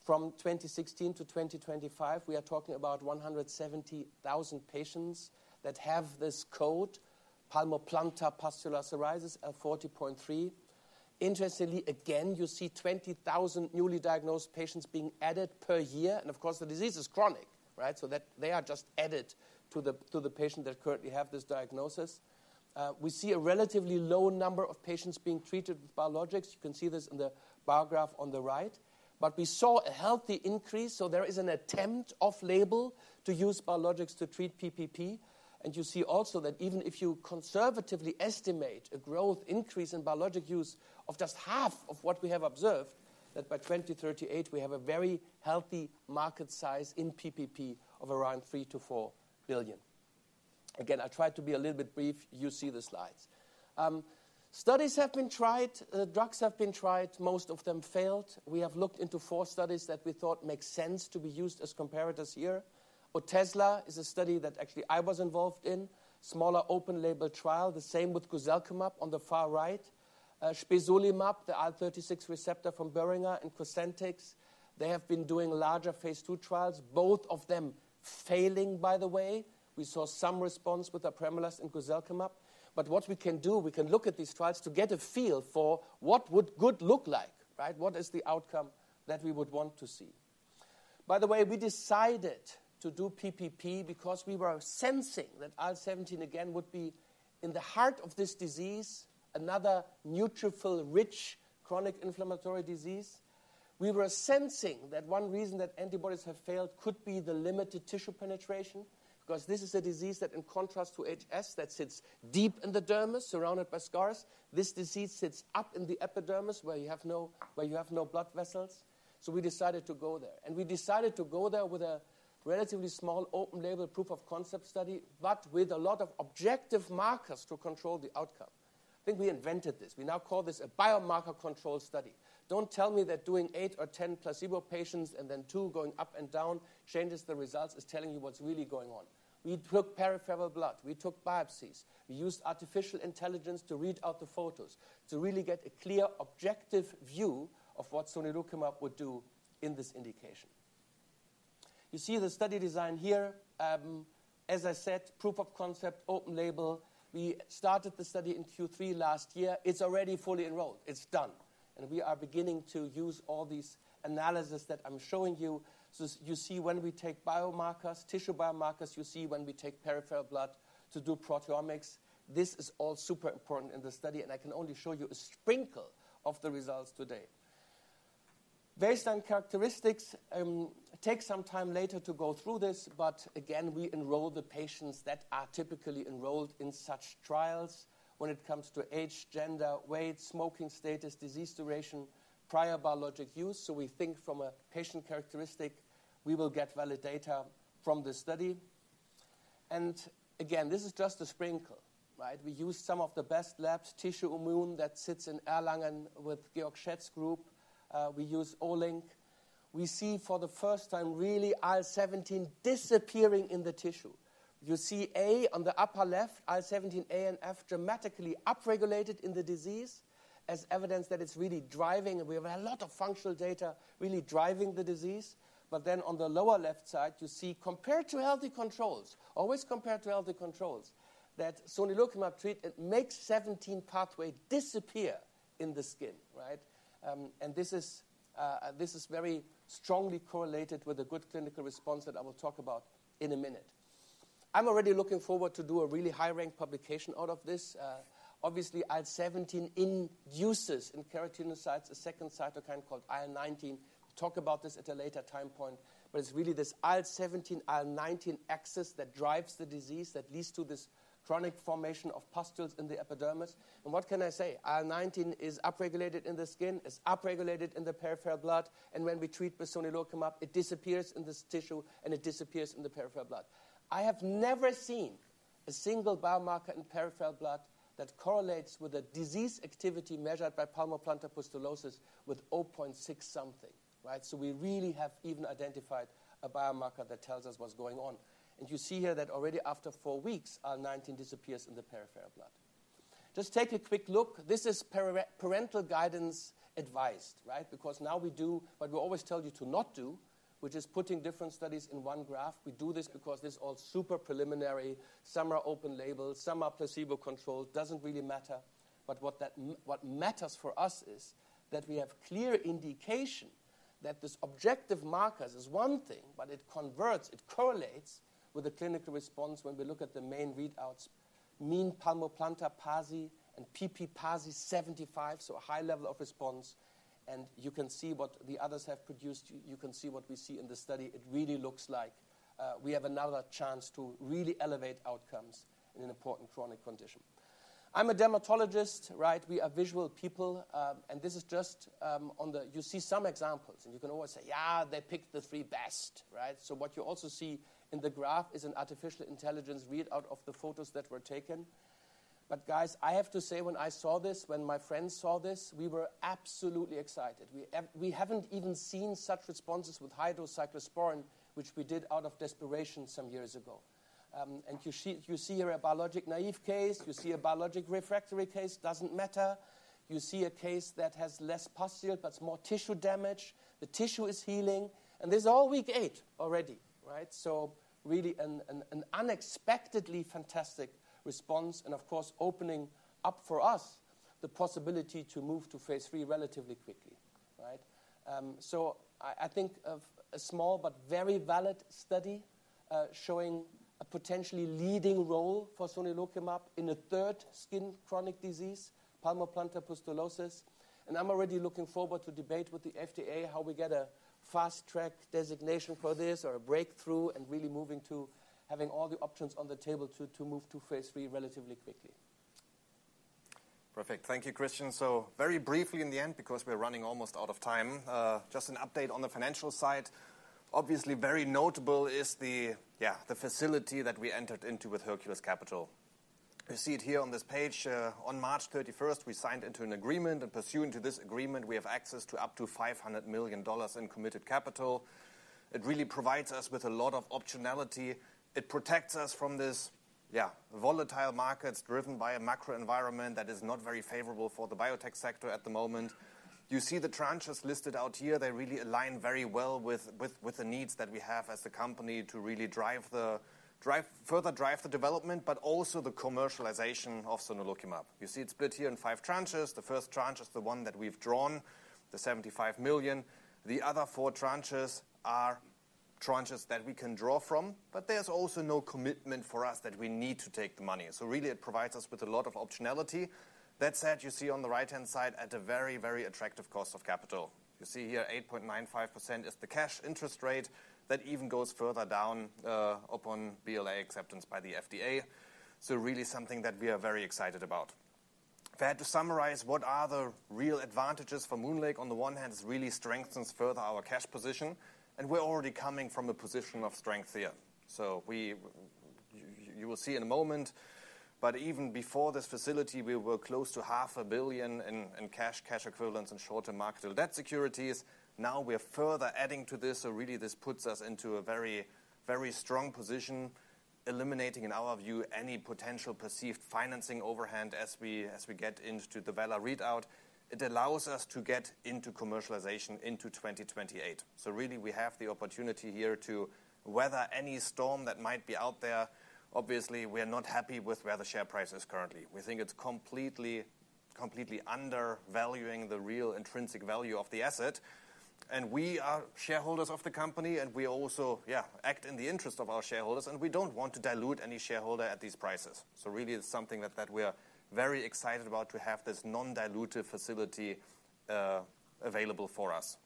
Speaker 3: from 2016 to 2025, we are talking about 170,000 patients that have this code, palmar plantar pustular psoriasis, L40.3. Interestingly, again, you see 20,000 newly diagnosed patients being added per year, and of course, the disease is chronic, right? They are just added to the patients that currently have this diagnosis. We see a relatively low number of patients being treated with biologics. You can see this in the bar graph on the right, but we saw a healthy increase, so there is an attempt off-label to use biologics to treat PPP. You see also that even if you conservatively estimate a growth increase in biologic use of just half of what we have observed, that by 2038, we have a very healthy market size in PPP of around $3 billion-$4 billion. Again, I'll try to be a little bit brief. You see the slides. Studies have been tried. Drugs have been tried. Most of them failed. We have looked into four studies that we thought make sense to be used as comparators here. Otezla is a study that actually I was involved in, smaller open-label trial, the same with guselkumab on the far right, spesolimab, the IL-36 receptor from Boehringer, and COSENTYX. They have been doing larger phase II trials, both of them failing, by the way. We saw some response with apremilast and guselkumab, but what we can do, we can look at these trials to get a feel for what would good look like, right? What is the outcome that we would want to see? By the way, we decided to do PPP because we were sensing that IL-17 again would be in the heart of this disease, another neutrophil-rich chronic inflammatory disease. We were sensing that one reason that antibodies have failed could be the limited tissue penetration because this is a disease that, in contrast to HS, that sits deep in the dermis, surrounded by scars. This disease sits up in the epidermis where you have no blood vessels. We decided to go there, and we decided to go there with a relatively small open-label proof of concept study, but with a lot of objective markers to control the outcome. I think we invented this. We now call this a biomarker control study. Don't tell me that doing eight or ten placebo patients and then two going up and down changes the results is telling you what's really going on. We took peripheral blood. We took biopsies. We used artificial intelligence to read out the photos to really get a clear objective view of what sonelokimab would do in this indication. You see the study design here. As I said, proof of concept, open-label. We started the study in Q3 last year. It's already fully enrolled. It's done, and we are beginning to use all these analyses that I'm showing you. You see when we take biomarkers, tissue biomarkers, you see when we take peripheral blood to do proteomics. This is all super important in the study, and I can only show you a sprinkle of the results today. Based on characteristics, it takes some time later to go through this, but again, we enroll the patients that are typically enrolled in such trials when it comes to age, gender, weight, smoking status, disease duration, prior biologic use. We think from a patient characteristic, we will get valid data from the study. Again, this is just a sprinkle, right? We used some of the best labs, Tissue Immune that sits in Erlangen with Georg Schetz Group. We use O-Link. We see for the first time really IL-17 disappearing in the tissue. You see A on the upper left, IL-17A and F dramatically upregulated in the disease as evidence that it's really driving, and we have a lot of functional data really driving the disease. On the lower left side, you see compared to healthy controls, always compared to healthy controls, that sonelokimab treatment makes 17 pathway disappear in the skin, right? This is very strongly correlated with a good clinical response that I will talk about in a minute. I'm already looking forward to do a really high-ranked publication out of this. Obviously, IL-17 induces in keratinocytes a second cytokine called IL-19. We'll talk about this at a later time point, but it's really this IL-17, IL-19 axis that drives the disease that leads to this chronic formation of pustules in the epidermis. What can I say? IL-19 is upregulated in the skin, is upregulated in the peripheral blood, and when we treat with sonelokimab, it disappears in this tissue, and it disappears in the peripheral blood. I have never seen a single biomarker in peripheral blood that correlates with a disease activity measured by palmoplantar pustulosis with 0.6 something, right? We really have even identified a biomarker that tells us what's going on. You see here that already after four weeks, IL-19 disappears in the peripheral blood. Just take a quick look. This is parental guidance advised, right? Because now we do what we always tell you to not do, which is putting different studies in one graph. We do this because this is all super preliminary. Some are open-label. Some are placebo control. It doesn't really matter, but what matters for us is that we have clear indication that this objective markers is one thing, but it converts. It correlates with the clinical response when we look at the main readouts, mean palmoplantar pathy and PPP pathy 75, so a high level of response. You can see what the others have produced. You can see what we see in the study. It really looks like we have another chance to really elevate outcomes in an important chronic condition. I'm a dermatologist, right? We are visual people, and this is just on the you see some examples, and you can always say, "Yeah, they picked the three best," right? What you also see in the graph is an artificial intelligence readout of the photos that were taken. Guys, I have to say when I saw this, when my friends saw this, we were absolutely excited. We have not even seen such responses with hydroxychloroquine, which we did out of desperation some years ago. You see here a biologic naive case. You see a biologic refractory case. It does not matter. You see a case that has less pustule, but it is more tissue damage. The tissue is healing, and this is all week eight already, right? Really an unexpectedly fantastic response, and of course, opening up for us the possibility to move to phase III relatively quickly, right? I think a small but very valid study showing a potentially leading role for sonelokimab in a third skin chronic disease, palmoplantar pustulosis. I'm already looking forward to debate with the FDA how we get a fast track designation for this or a breakthrough and really moving to having all the options on the table to move to phase III relatively quickly.
Speaker 1: Perfect. Thank you, Christian. Very briefly in the end, because we're running almost out of time, just an update on the financial side. Obviously, very notable is the facility that we entered into with Hercules Capital. You see it here on this page. On March 31st, we signed into an agreement, and pursuant to this agreement, we have access to up to $500 million in committed capital. It really provides us with a lot of optionality. It protects us from this volatile markets driven by a macro environment that is not very favorable for the biotech sector at the moment. You see the tranches listed out here. They really align very well with the needs that we have as the company to really drive the further drive the development, but also the commercialization of sonelokimab. You see it split here in five tranches. The first tranche is the one that we've drawn, the $75 million. The other four tranches are tranches that we can draw from, but there's also no commitment for us that we need to take the money. It provides us with a lot of optionality. That said, you see on the right-hand side at a very, very attractive cost of capital. You see here, 8.95% is the cash interest rate that even goes further down upon BLA acceptance by the FDA. It is really something that we are very excited about. If I had to summarize, what are the real advantages for MoonLake? On the one hand, it really strengthens further our cash position, and we're already coming from a position of strength here. You will see in a moment, but even before this facility, we were close to $500,000,000 in cash equivalents and short-term market securities. Now we are further adding to this, so really this puts us into a very, very strong position, eliminating in our view any potential perceived financing overhang as we get into the valor readout. It allows us to get into commercialization into 2028. Really, we have the opportunity here to weather any storm that might be out there. Obviously, we are not happy with where the share price is currently. We think it's completely undervaluing the real intrinsic value of the asset, and we are shareholders of the company, and we also, yeah, act in the interest of our shareholders, and we don't want to dilute any shareholder at these prices. Really, it's something that we are very excited about to have this non-dilutive facility available for us.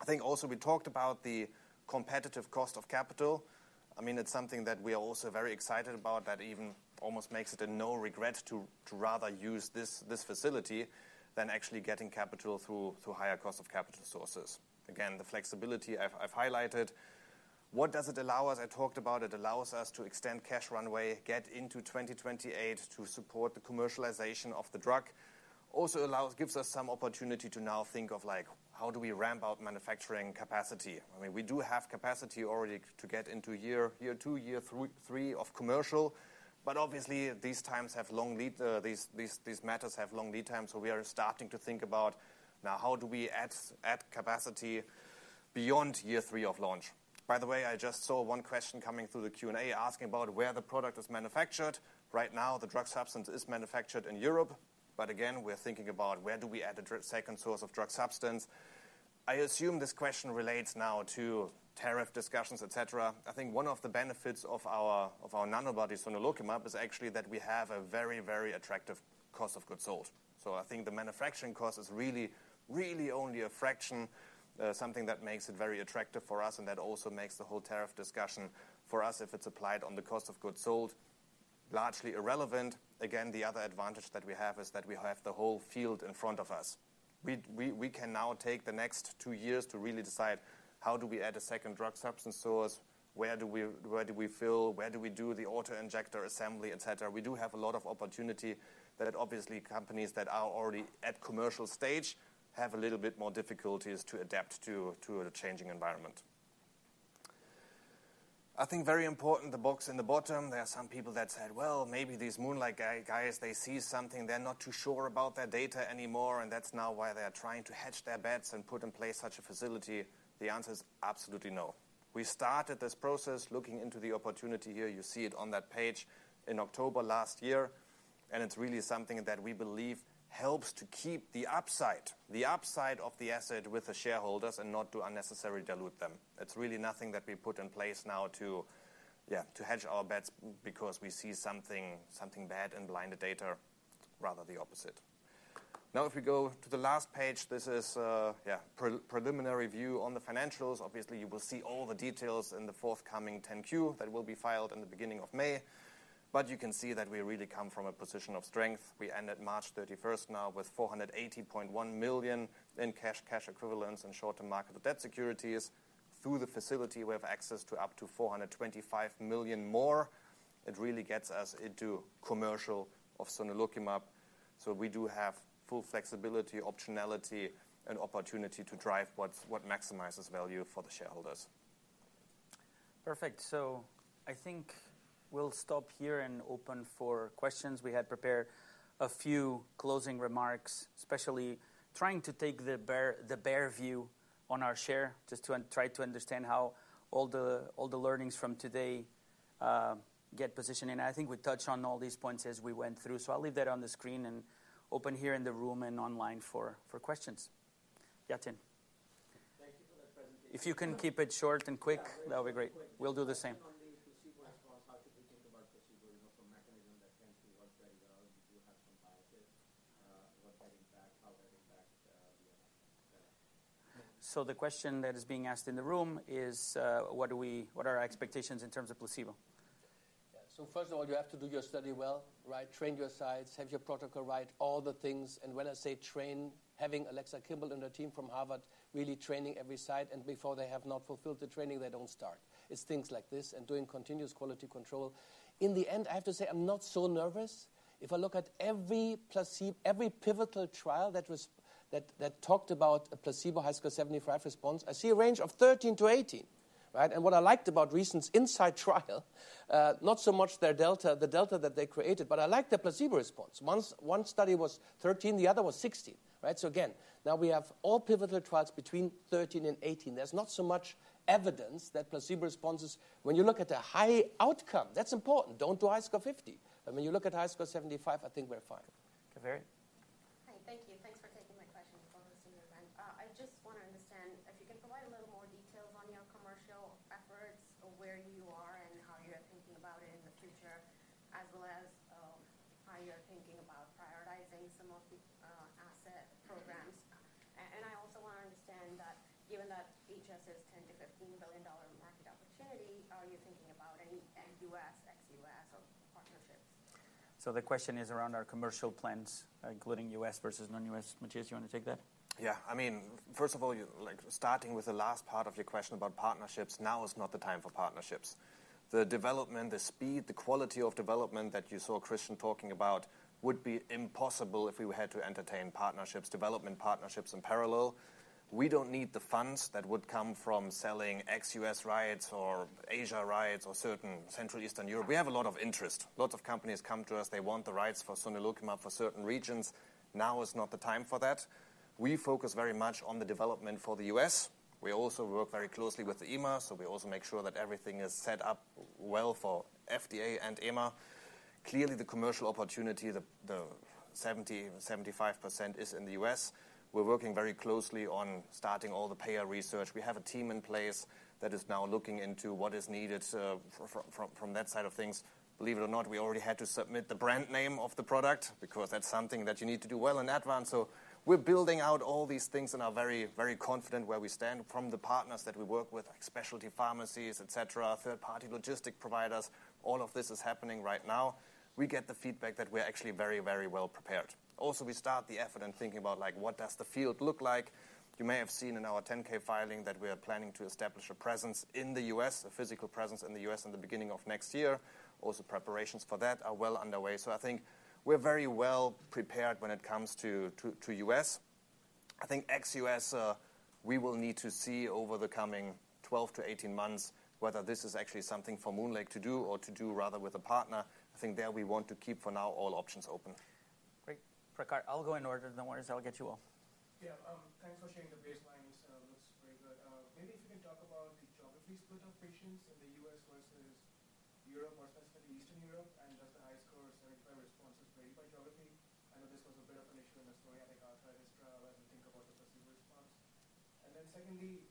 Speaker 1: I think also we talked about the competitive cost of capital. I mean, it's something that we are also very excited about that even almost makes it a no regret to rather use this facility than actually getting capital through higher cost of capital sources. Again, the flexibility I've highlighted. What does it allow us? I talked about it. It allows us to extend cash runway, get into 2028 to support the commercialization of the drug. Also gives us some opportunity to now think of how do we ramp out manufacturing capacity. I mean, we do have capacity already to get into year two, year three of commercial, but obviously these times have long lead time. These matters have long lead time, so we are starting to think about now how do we add capacity beyond year three of launch. By the way, I just saw one question coming through the Q&A asking about where the product is manufactured. Right now, the drug substance is manufactured in Europe, but again, we're thinking about where do we add a second source of drug substance. I assume this question relates now to tariff discussions, etc. I think one of the benefits of our Nanobody sonelokimab is actually that we have a very, very attractive cost of goods sold. I think the manufacturing cost is really, really only a fraction, something that makes it very attractive for us, and that also makes the whole tariff discussion for us, if it's applied on the cost of goods sold, largely irrelevant. Again, the other advantage that we have is that we have the whole field in front of us. We can now take the next two years to really decide how do we add a second drug substance source, where do we fill, where do we do the auto injector assembly, etc. We do have a lot of opportunity that obviously companies that are already at commercial stage have a little bit more difficulties to adapt to the changing environment. I think very important the box in the bottom. There are some people that said, "Well, maybe these MoonLake guys, they see something. They're not too sure about their data anymore, and that's now why they are trying to hedge their bets and put in place such a facility." The answer is absolutely no. We started this process looking into the opportunity here. You see it on that page in October last year, and it's really something that we believe helps to keep the upside, the upside of the asset with the shareholders and not to unnecessarily dilute them. It's really nothing that we put in place now to, yeah, to hedge our bets because we see something bad and blind the data, rather the opposite. Now, if we go to the last page, this is a preliminary view on the financials. Obviously, you will see all the details in the forthcoming 10Q that will be filed in the beginning of May, but you can see that we really come from a position of strength. We ended March 31 now with $480.1 million in cash equivalents and short-term market of debt securities. Through the facility, we have access to up to $425 million more. It really gets us into commercial of sonelokimab. We do have full flexibility, optionality, and opportunity to drive what maximizes value for the shareholders.
Speaker 2: Perfect. I think we'll stop here and open for questions. We had prepared a few closing remarks, especially trying to take the bear view on our share just to try to understand how all the learnings from today get positioned. I think we touched on all these points as we went through, so I'll leave that on the screen and open here in the room and online for questions. Yatin.
Speaker 4: Thank you for the presentation.
Speaker 2: If you can keep it short and quick, that would be great. We'll do the same.
Speaker 5: On the placebo response, how should we think about placebo? You know, some mechanism that tends to work very well. You do have some biases. What that impact, how that impact the effect?
Speaker 2: The question that is being asked in the room is, what are our expectations in terms of placebo?
Speaker 3: Yeah. First of all, you have to do your study well, right? Train your sites, have your protocol right, all the things. When I say train, having Alexa Kimball and her team from Harvard really training every site, and before they have not fulfilled the training, they do not start. It is things like this and doing continuous quality control. In the end, I have to say I am not so nervous. If I look at every pivotal trial that talked about a placebo HiSCR75 response, I see a range of 13-18, right? What I liked about recent inside trial, not so much their delta, the delta that they created, but I liked the placebo response. One study was 13, the other was 16, right? Again, now we have all pivotal trials between 13 and 18. There's not so much evidence that placebo responses, when you look at the HiSCR outcome, that's important. Don't do HiSCR50. But when you look at HiSCR75, I think we're fine.
Speaker 6: Hi,
Speaker 1: We do not need the funds that would come from selling ex-US rights or Asia rights or certain Central Eastern Europe. We have a lot of interest. Lots of companies come to us. They want the rights for sonelokimab for certain regions. Now is not the time for that. We focus very much on the development for the US. We also work very closely with the EMA, so we also make sure that everything is set up well for FDA and EMA. Clearly, the commercial opportunity, the 70-75% is in the U.S. We're working very closely on starting all the payer research. We have a team in place that is now looking into what is needed from that side of things. Believe it or not, we already had to submit the brand name of the product because that's something that you need to do well in advance. We're building out all these things and are very, very confident where we stand from the partners that we work with, like specialty pharmacies, etc., third-party logistic providers. All of this is happening right now. We get the feedback that we're actually very, very well prepared. Also, we start the effort in thinking about what does the field look like. You may have seen in our 10K filing that we are planning to establish a presence in the U.S., a physical presence in the U.S. in the beginning of next year. Also, preparations for that are well underway. I think we're very well prepared when it comes to U.S. I think ex-US, we will need to see over the coming 12-18 months whether this is actually something for MoonLake to do or to do rather with a partner. I think there we want to keep for now all options open.
Speaker 2: Great. Prakar, I'll go in order. No worries. I'll get you all.
Speaker 7: Yeah. Thanks for sharing the baseline. It looks very good. Maybe if you can talk about the geography split of patients in the U.S. versus Europe or specifically Eastern Europe, and does the HiSCR75 responses vary by geography? I know this was a bit of an issue in the psoriatic arthritis trial as we think about the placebo response. Secondly,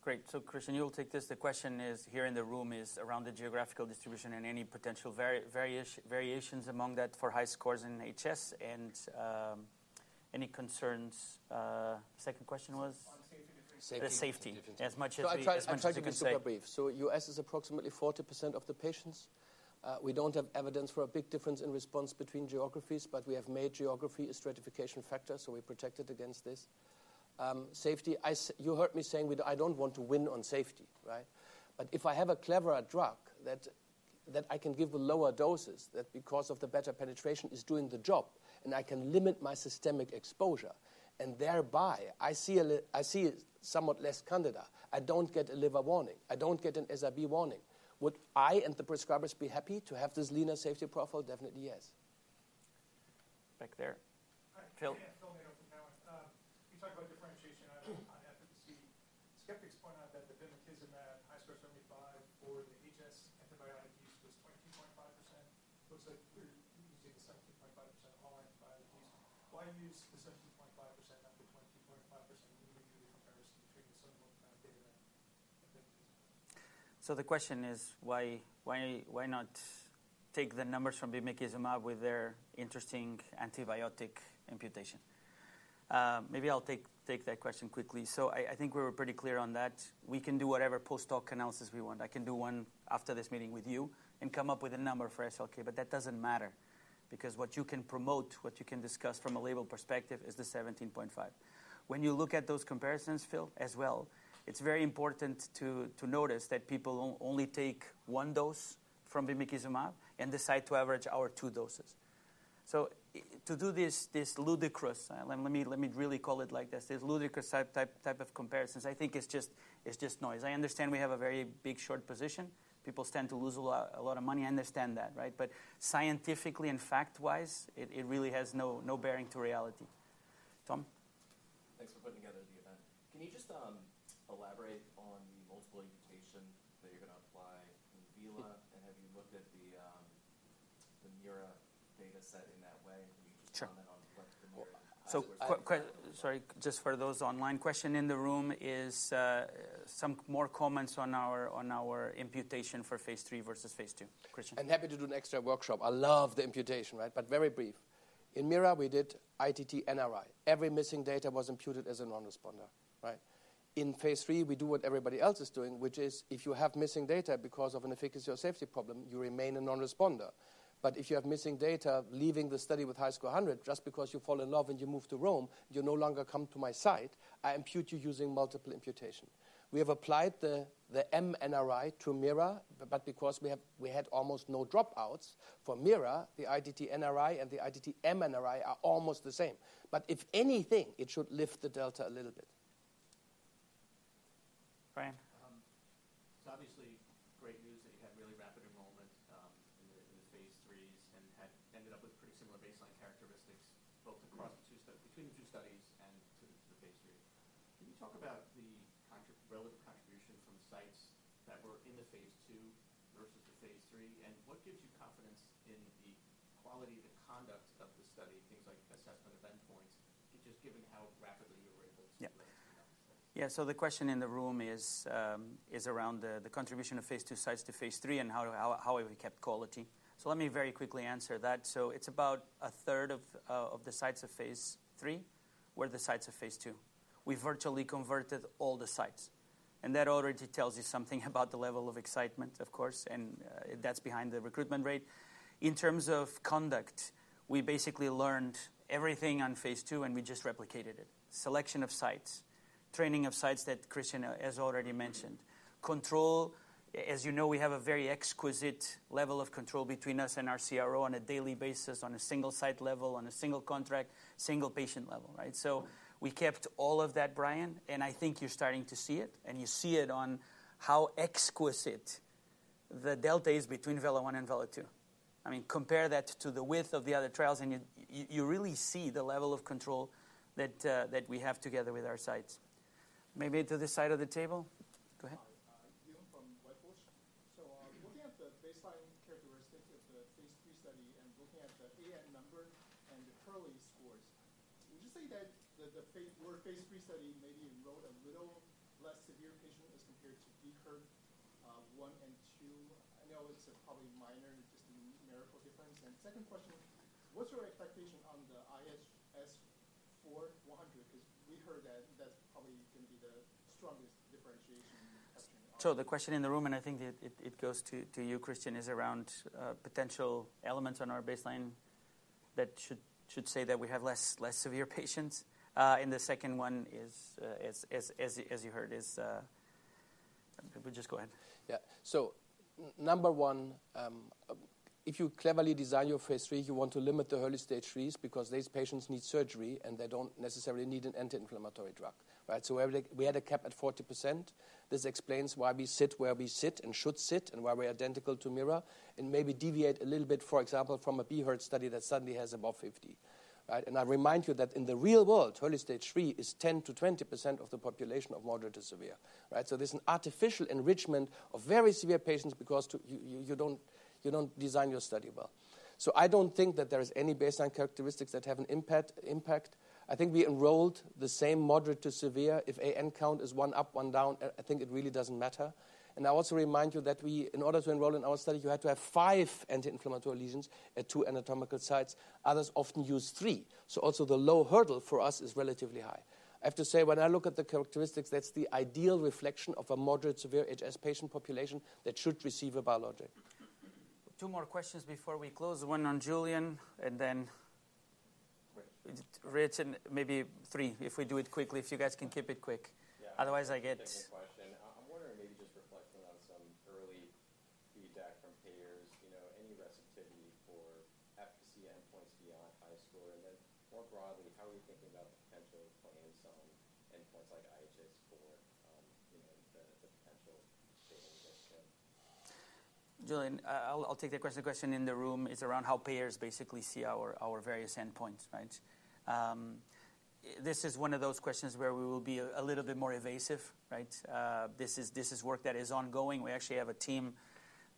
Speaker 7: we have talked about differentiation on safety as well with the rucumab. Do you think you can differentiate on things like candidiasis or even lack of suicidal ideation warnings?
Speaker 2: Great. Kristian, you'll take this. The question here in the room is around the geographical distribution and any potential variations among that for high scores in HS and any concerns. Second question was?
Speaker 4: On safety.
Speaker 2: The safety, as much as we can.
Speaker 3: I'll try to be super brief. U.S. is approximately 40% of the patients. We don't have evidence for a big difference in response between geographies, but we have made geography a stratification factor, so we protect it against this. Safety, you heard me saying I don't want to win on safety, right? If I have a clever drug that I can give with lower doses, that because of the better penetration is doing the job, and I can limit my systemic exposure, and thereby I see somewhat less Candida, I don't get a liver warning, I don't get an SIB warning, would I and the prescribers be happy to have this leaner safety profile? Definitely yes.
Speaker 2: Back there.
Speaker 8: Yeah, Phil made up the panel. You talked about differentiation on efficacy. Skeptics point out that the bimekizumab HiSCR75 for the HS antibiotic use was 22.5%. Looks like you're using the 17.5% all antibiotic use. Why use the 17.5% not the 22.5%? What do you do to compare between the sonelokimab data and bimekizumab?
Speaker 2: The question is, why not take the numbers from bimekizumab with their interesting antibiotic imputation? Maybe I'll take that question quickly. I think we were pretty clear on that. We can do whatever post-hoc analysis we want. I can do one after this meeting with you and come up with a number for SLK, but that does not matter because what you can promote, what you can discuss from a label perspective is the 17.5. When you look at those comparisons, Phil, as well, it is very important to notice that people only take one dose from bimekizumab and decide to average our two doses. To do this ludicrous, let me really call it like this, this ludicrous type of comparisons, I think it is just noise. I understand we have a very big short position. People tend to lose a lot of money. I understand that, right? Scientifically and fact-wise, it really has no bearing to reality. Tom?
Speaker 9: Thanks for putting together the event. Can you just elaborate on the multiple imputation that you're going to apply in VELA? And have you looked at the MIRA data set in that way? Can you just comment on what the MIRA?
Speaker 2: Sorry, just for those online questions in the room, is some more comments on our imputation for phase III versus phase II? Kristian?
Speaker 3: I'm happy to do an extra workshop. I love the imputation, right? Very brief. In MIRA, we did ITT NRI. Every missing data was imputed as a non-responder, right? In phase III, we do what everybody else is doing, which is if you have missing data because of an efficacy or safety problem, you remain a non-responder. If you have missing data leaving the study with IHS4-100 just because you fall in love and you move to Rome, you no longer come to my site, I impute you using multiple imputation. We have applied the MI to MIRA, but because we had almost no dropouts for MIRA, the ITT NRI and the ITT MI are almost the same. If anything, it should lift the delta a little bit.
Speaker 2: Brian. training of sites that Kristian has already mentioned. Control, as you know, we have a very exquisite level of control between us and our CRO on a daily basis on a single site level, on a single contract, single patient level, right? We kept all of that, Brian, and I think you're starting to see it, and you see it on how exquisite the delta is between VELA-1 and VELA-2. I mean, compare that to the width of the other trials and you really see the level of control that we have together with our sites. Maybe to the side of the table. Go ahead.
Speaker 10: Hi, Liam from Whitehorse. Looking at the baseline characteristics of the phase III study and looking at the AN number and the IHS4 scores, would you say that the phase III study maybe enrolled a little less severe patient as compared to the VELA-1 and 2? I know it's probably minor, just a numerical difference. Second question, what's your expectation on the IHS4-100? Because we heard that that's probably going to be the strongest differentiation in the question.
Speaker 2: The question in the room, and I think it goes to you, Kristian, is around potential elements on our baseline that should say that we have less severe patients. The second one, as you heard, is just go ahead.
Speaker 3: Yeah. Number one, if you cleverly design your phase III, you want to limit the early stage threes because these patients need surgery and they don't necessarily need an anti-inflammatory drug, right? We had a cap at 40%. This explains why we sit where we sit and should sit and why we're identical to MIRA and maybe deviate a little bit, for example, from a BHERT study that suddenly has above 50%, right? I remind you that in the real world, early stage three is 10-20% of the population of moderate to severe, right? There's an artificial enrichment of very severe patients because you don't design your study well. I don't think that there is any baseline characteristics that have an impact. I think we enrolled the same moderate to severe. If AN count is one up, one down, I think it really doesn't matter. I also remind you that in order to enroll in our study, you had to have five anti-inflammatory lesions at two anatomical sites. Others often use three. Also, the low hurdle for us is relatively high. I have to say when I look at the characteristics, that's the ideal reflection of a moderate to severe HS patient population that should receive a biologic.
Speaker 2: Two more questions before we close. One on Julian and then Rich, and maybe three if we do it quickly, if you guys can keep it quick. Otherwise, I get.
Speaker 3: Same question. I'm wondering maybe just reflecting on some early feedback from payers, any receptivity for efficacy endpoints beyond HiSCR. More broadly, how are you thinking about the potential plans on endpoints like IHS4, the potential data that.
Speaker 2: Julian, I'll take the question. The question in the room is around how payers basically see our various endpoints, right? This is one of those questions where we will be a little bit more evasive, right? This is work that is ongoing. We actually have a team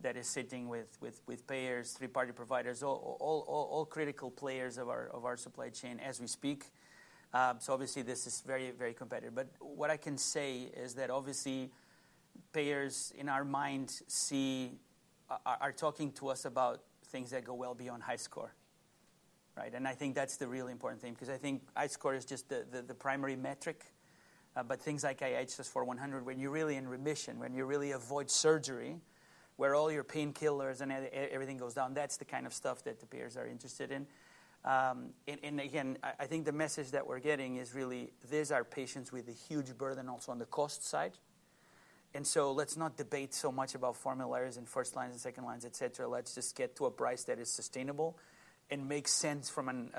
Speaker 2: that is sitting with payers, third-party providers, all critical players of our supply chain as we speak. Obviously, this is very, very competitive. What I can say is that obviously, payers in our minds are talking to us about things that go well beyond HiSCR, right? I think that's the real important thing because I think HiSCR is just the primary metric. Things like IHS4-100, when you're really in remission, when you really avoid surgery, where all your painkillers and everything goes down, that's the kind of stuff that the payers are interested in. I think the message that we're getting is really these are patients with a huge burden also on the cost side. Let's not debate so much about formularies and first lines and second lines, etc. Let's just get to a price that is sustainable and makes sense from an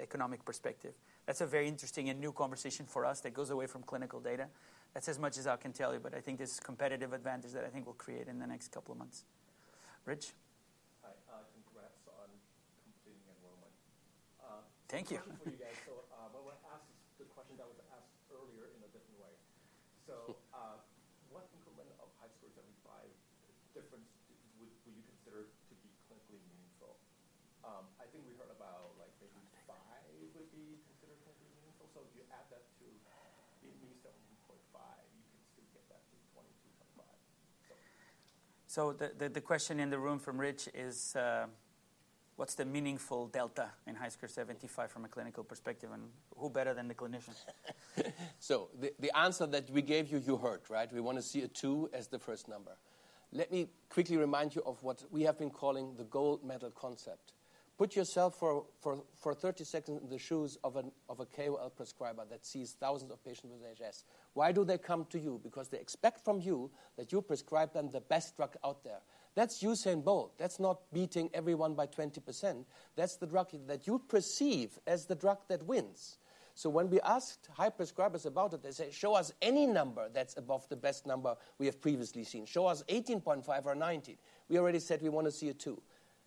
Speaker 2: economic perspective. That's a very interesting and new conversation for us that goes away from clinical data. That's as much as I can tell you, but I think this is a competitive advantage that I think we'll create in the next couple of months. Rich?
Speaker 11: Hi. Congrats on completing enrollment.
Speaker 2: Thank you.
Speaker 11: For
Speaker 3: Put yourself for 30 seconds in the shoes of a KOL prescriber that sees thousands of patients with HS. Why do they come to you? Because they expect from you that you prescribe them the best drug out there. That's Usain Bolt. That's not beating everyone by 20%. That's the drug that you perceive as the drug that wins. When we asked high prescribers about it, they said, "Show us any number that's above the best number we have previously seen. Show us 18.5 or 19." We already said we want to see a two.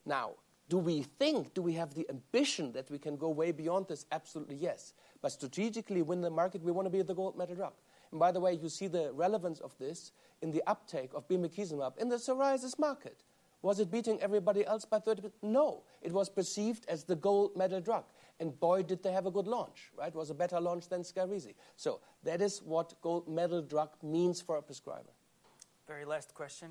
Speaker 3: Now, do we think, do we have the ambition that we can go way beyond this? Absolutely yes. Strategically, win the market, we want to be the gold medal drug. By the way, you see the relevance of this in the uptake of bimekizumab in the psoriasis market. Was it beating everybody else by 30%? No. It was perceived as the gold medal drug. And boy, did they have a good launch, right? It was a better launch than Skyrizi. That is what gold medal drug means for a prescriber.
Speaker 2: Very last question.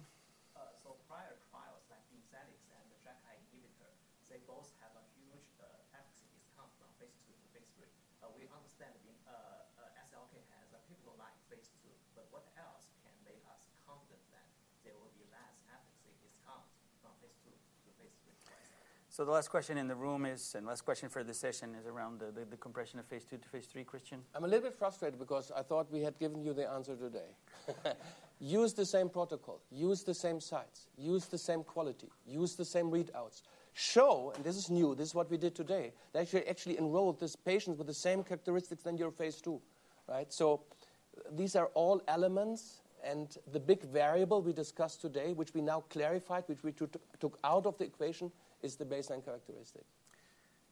Speaker 12: Prior trials like bimekizumab and the drug I inhibitor, they both have a huge efficacy discount from phase II to phase III. We understand SLK has a pivotal line phase II. What else can make us confident that there will be less efficacy discount from phase II to phase III?
Speaker 2: The last question in the room is, and last question for this session is around the compression of phase II to phase III, Kristian?
Speaker 3: I'm a little bit frustrated because I thought we had given you the answer today. Use the same protocol. Use the same sites. Use the same quality. Use the same readouts. Show, and this is new, this is what we did today, that you actually enrolled these patients with the same characteristics than your phase II, right? These are all elements, and the big variable we discussed today, which we now clarified, which we took out of the equation, is the baseline characteristic.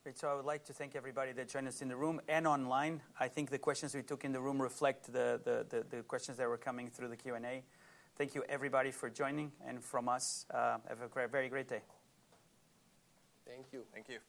Speaker 2: Great. I would like to thank everybody that joined us in the room and online. I think the questions we took in the room reflect the questions that were coming through the Q&A. Thank you, everybody, for joining and from us. Have a very great day.
Speaker 3: Thank you.
Speaker 1: Thank you.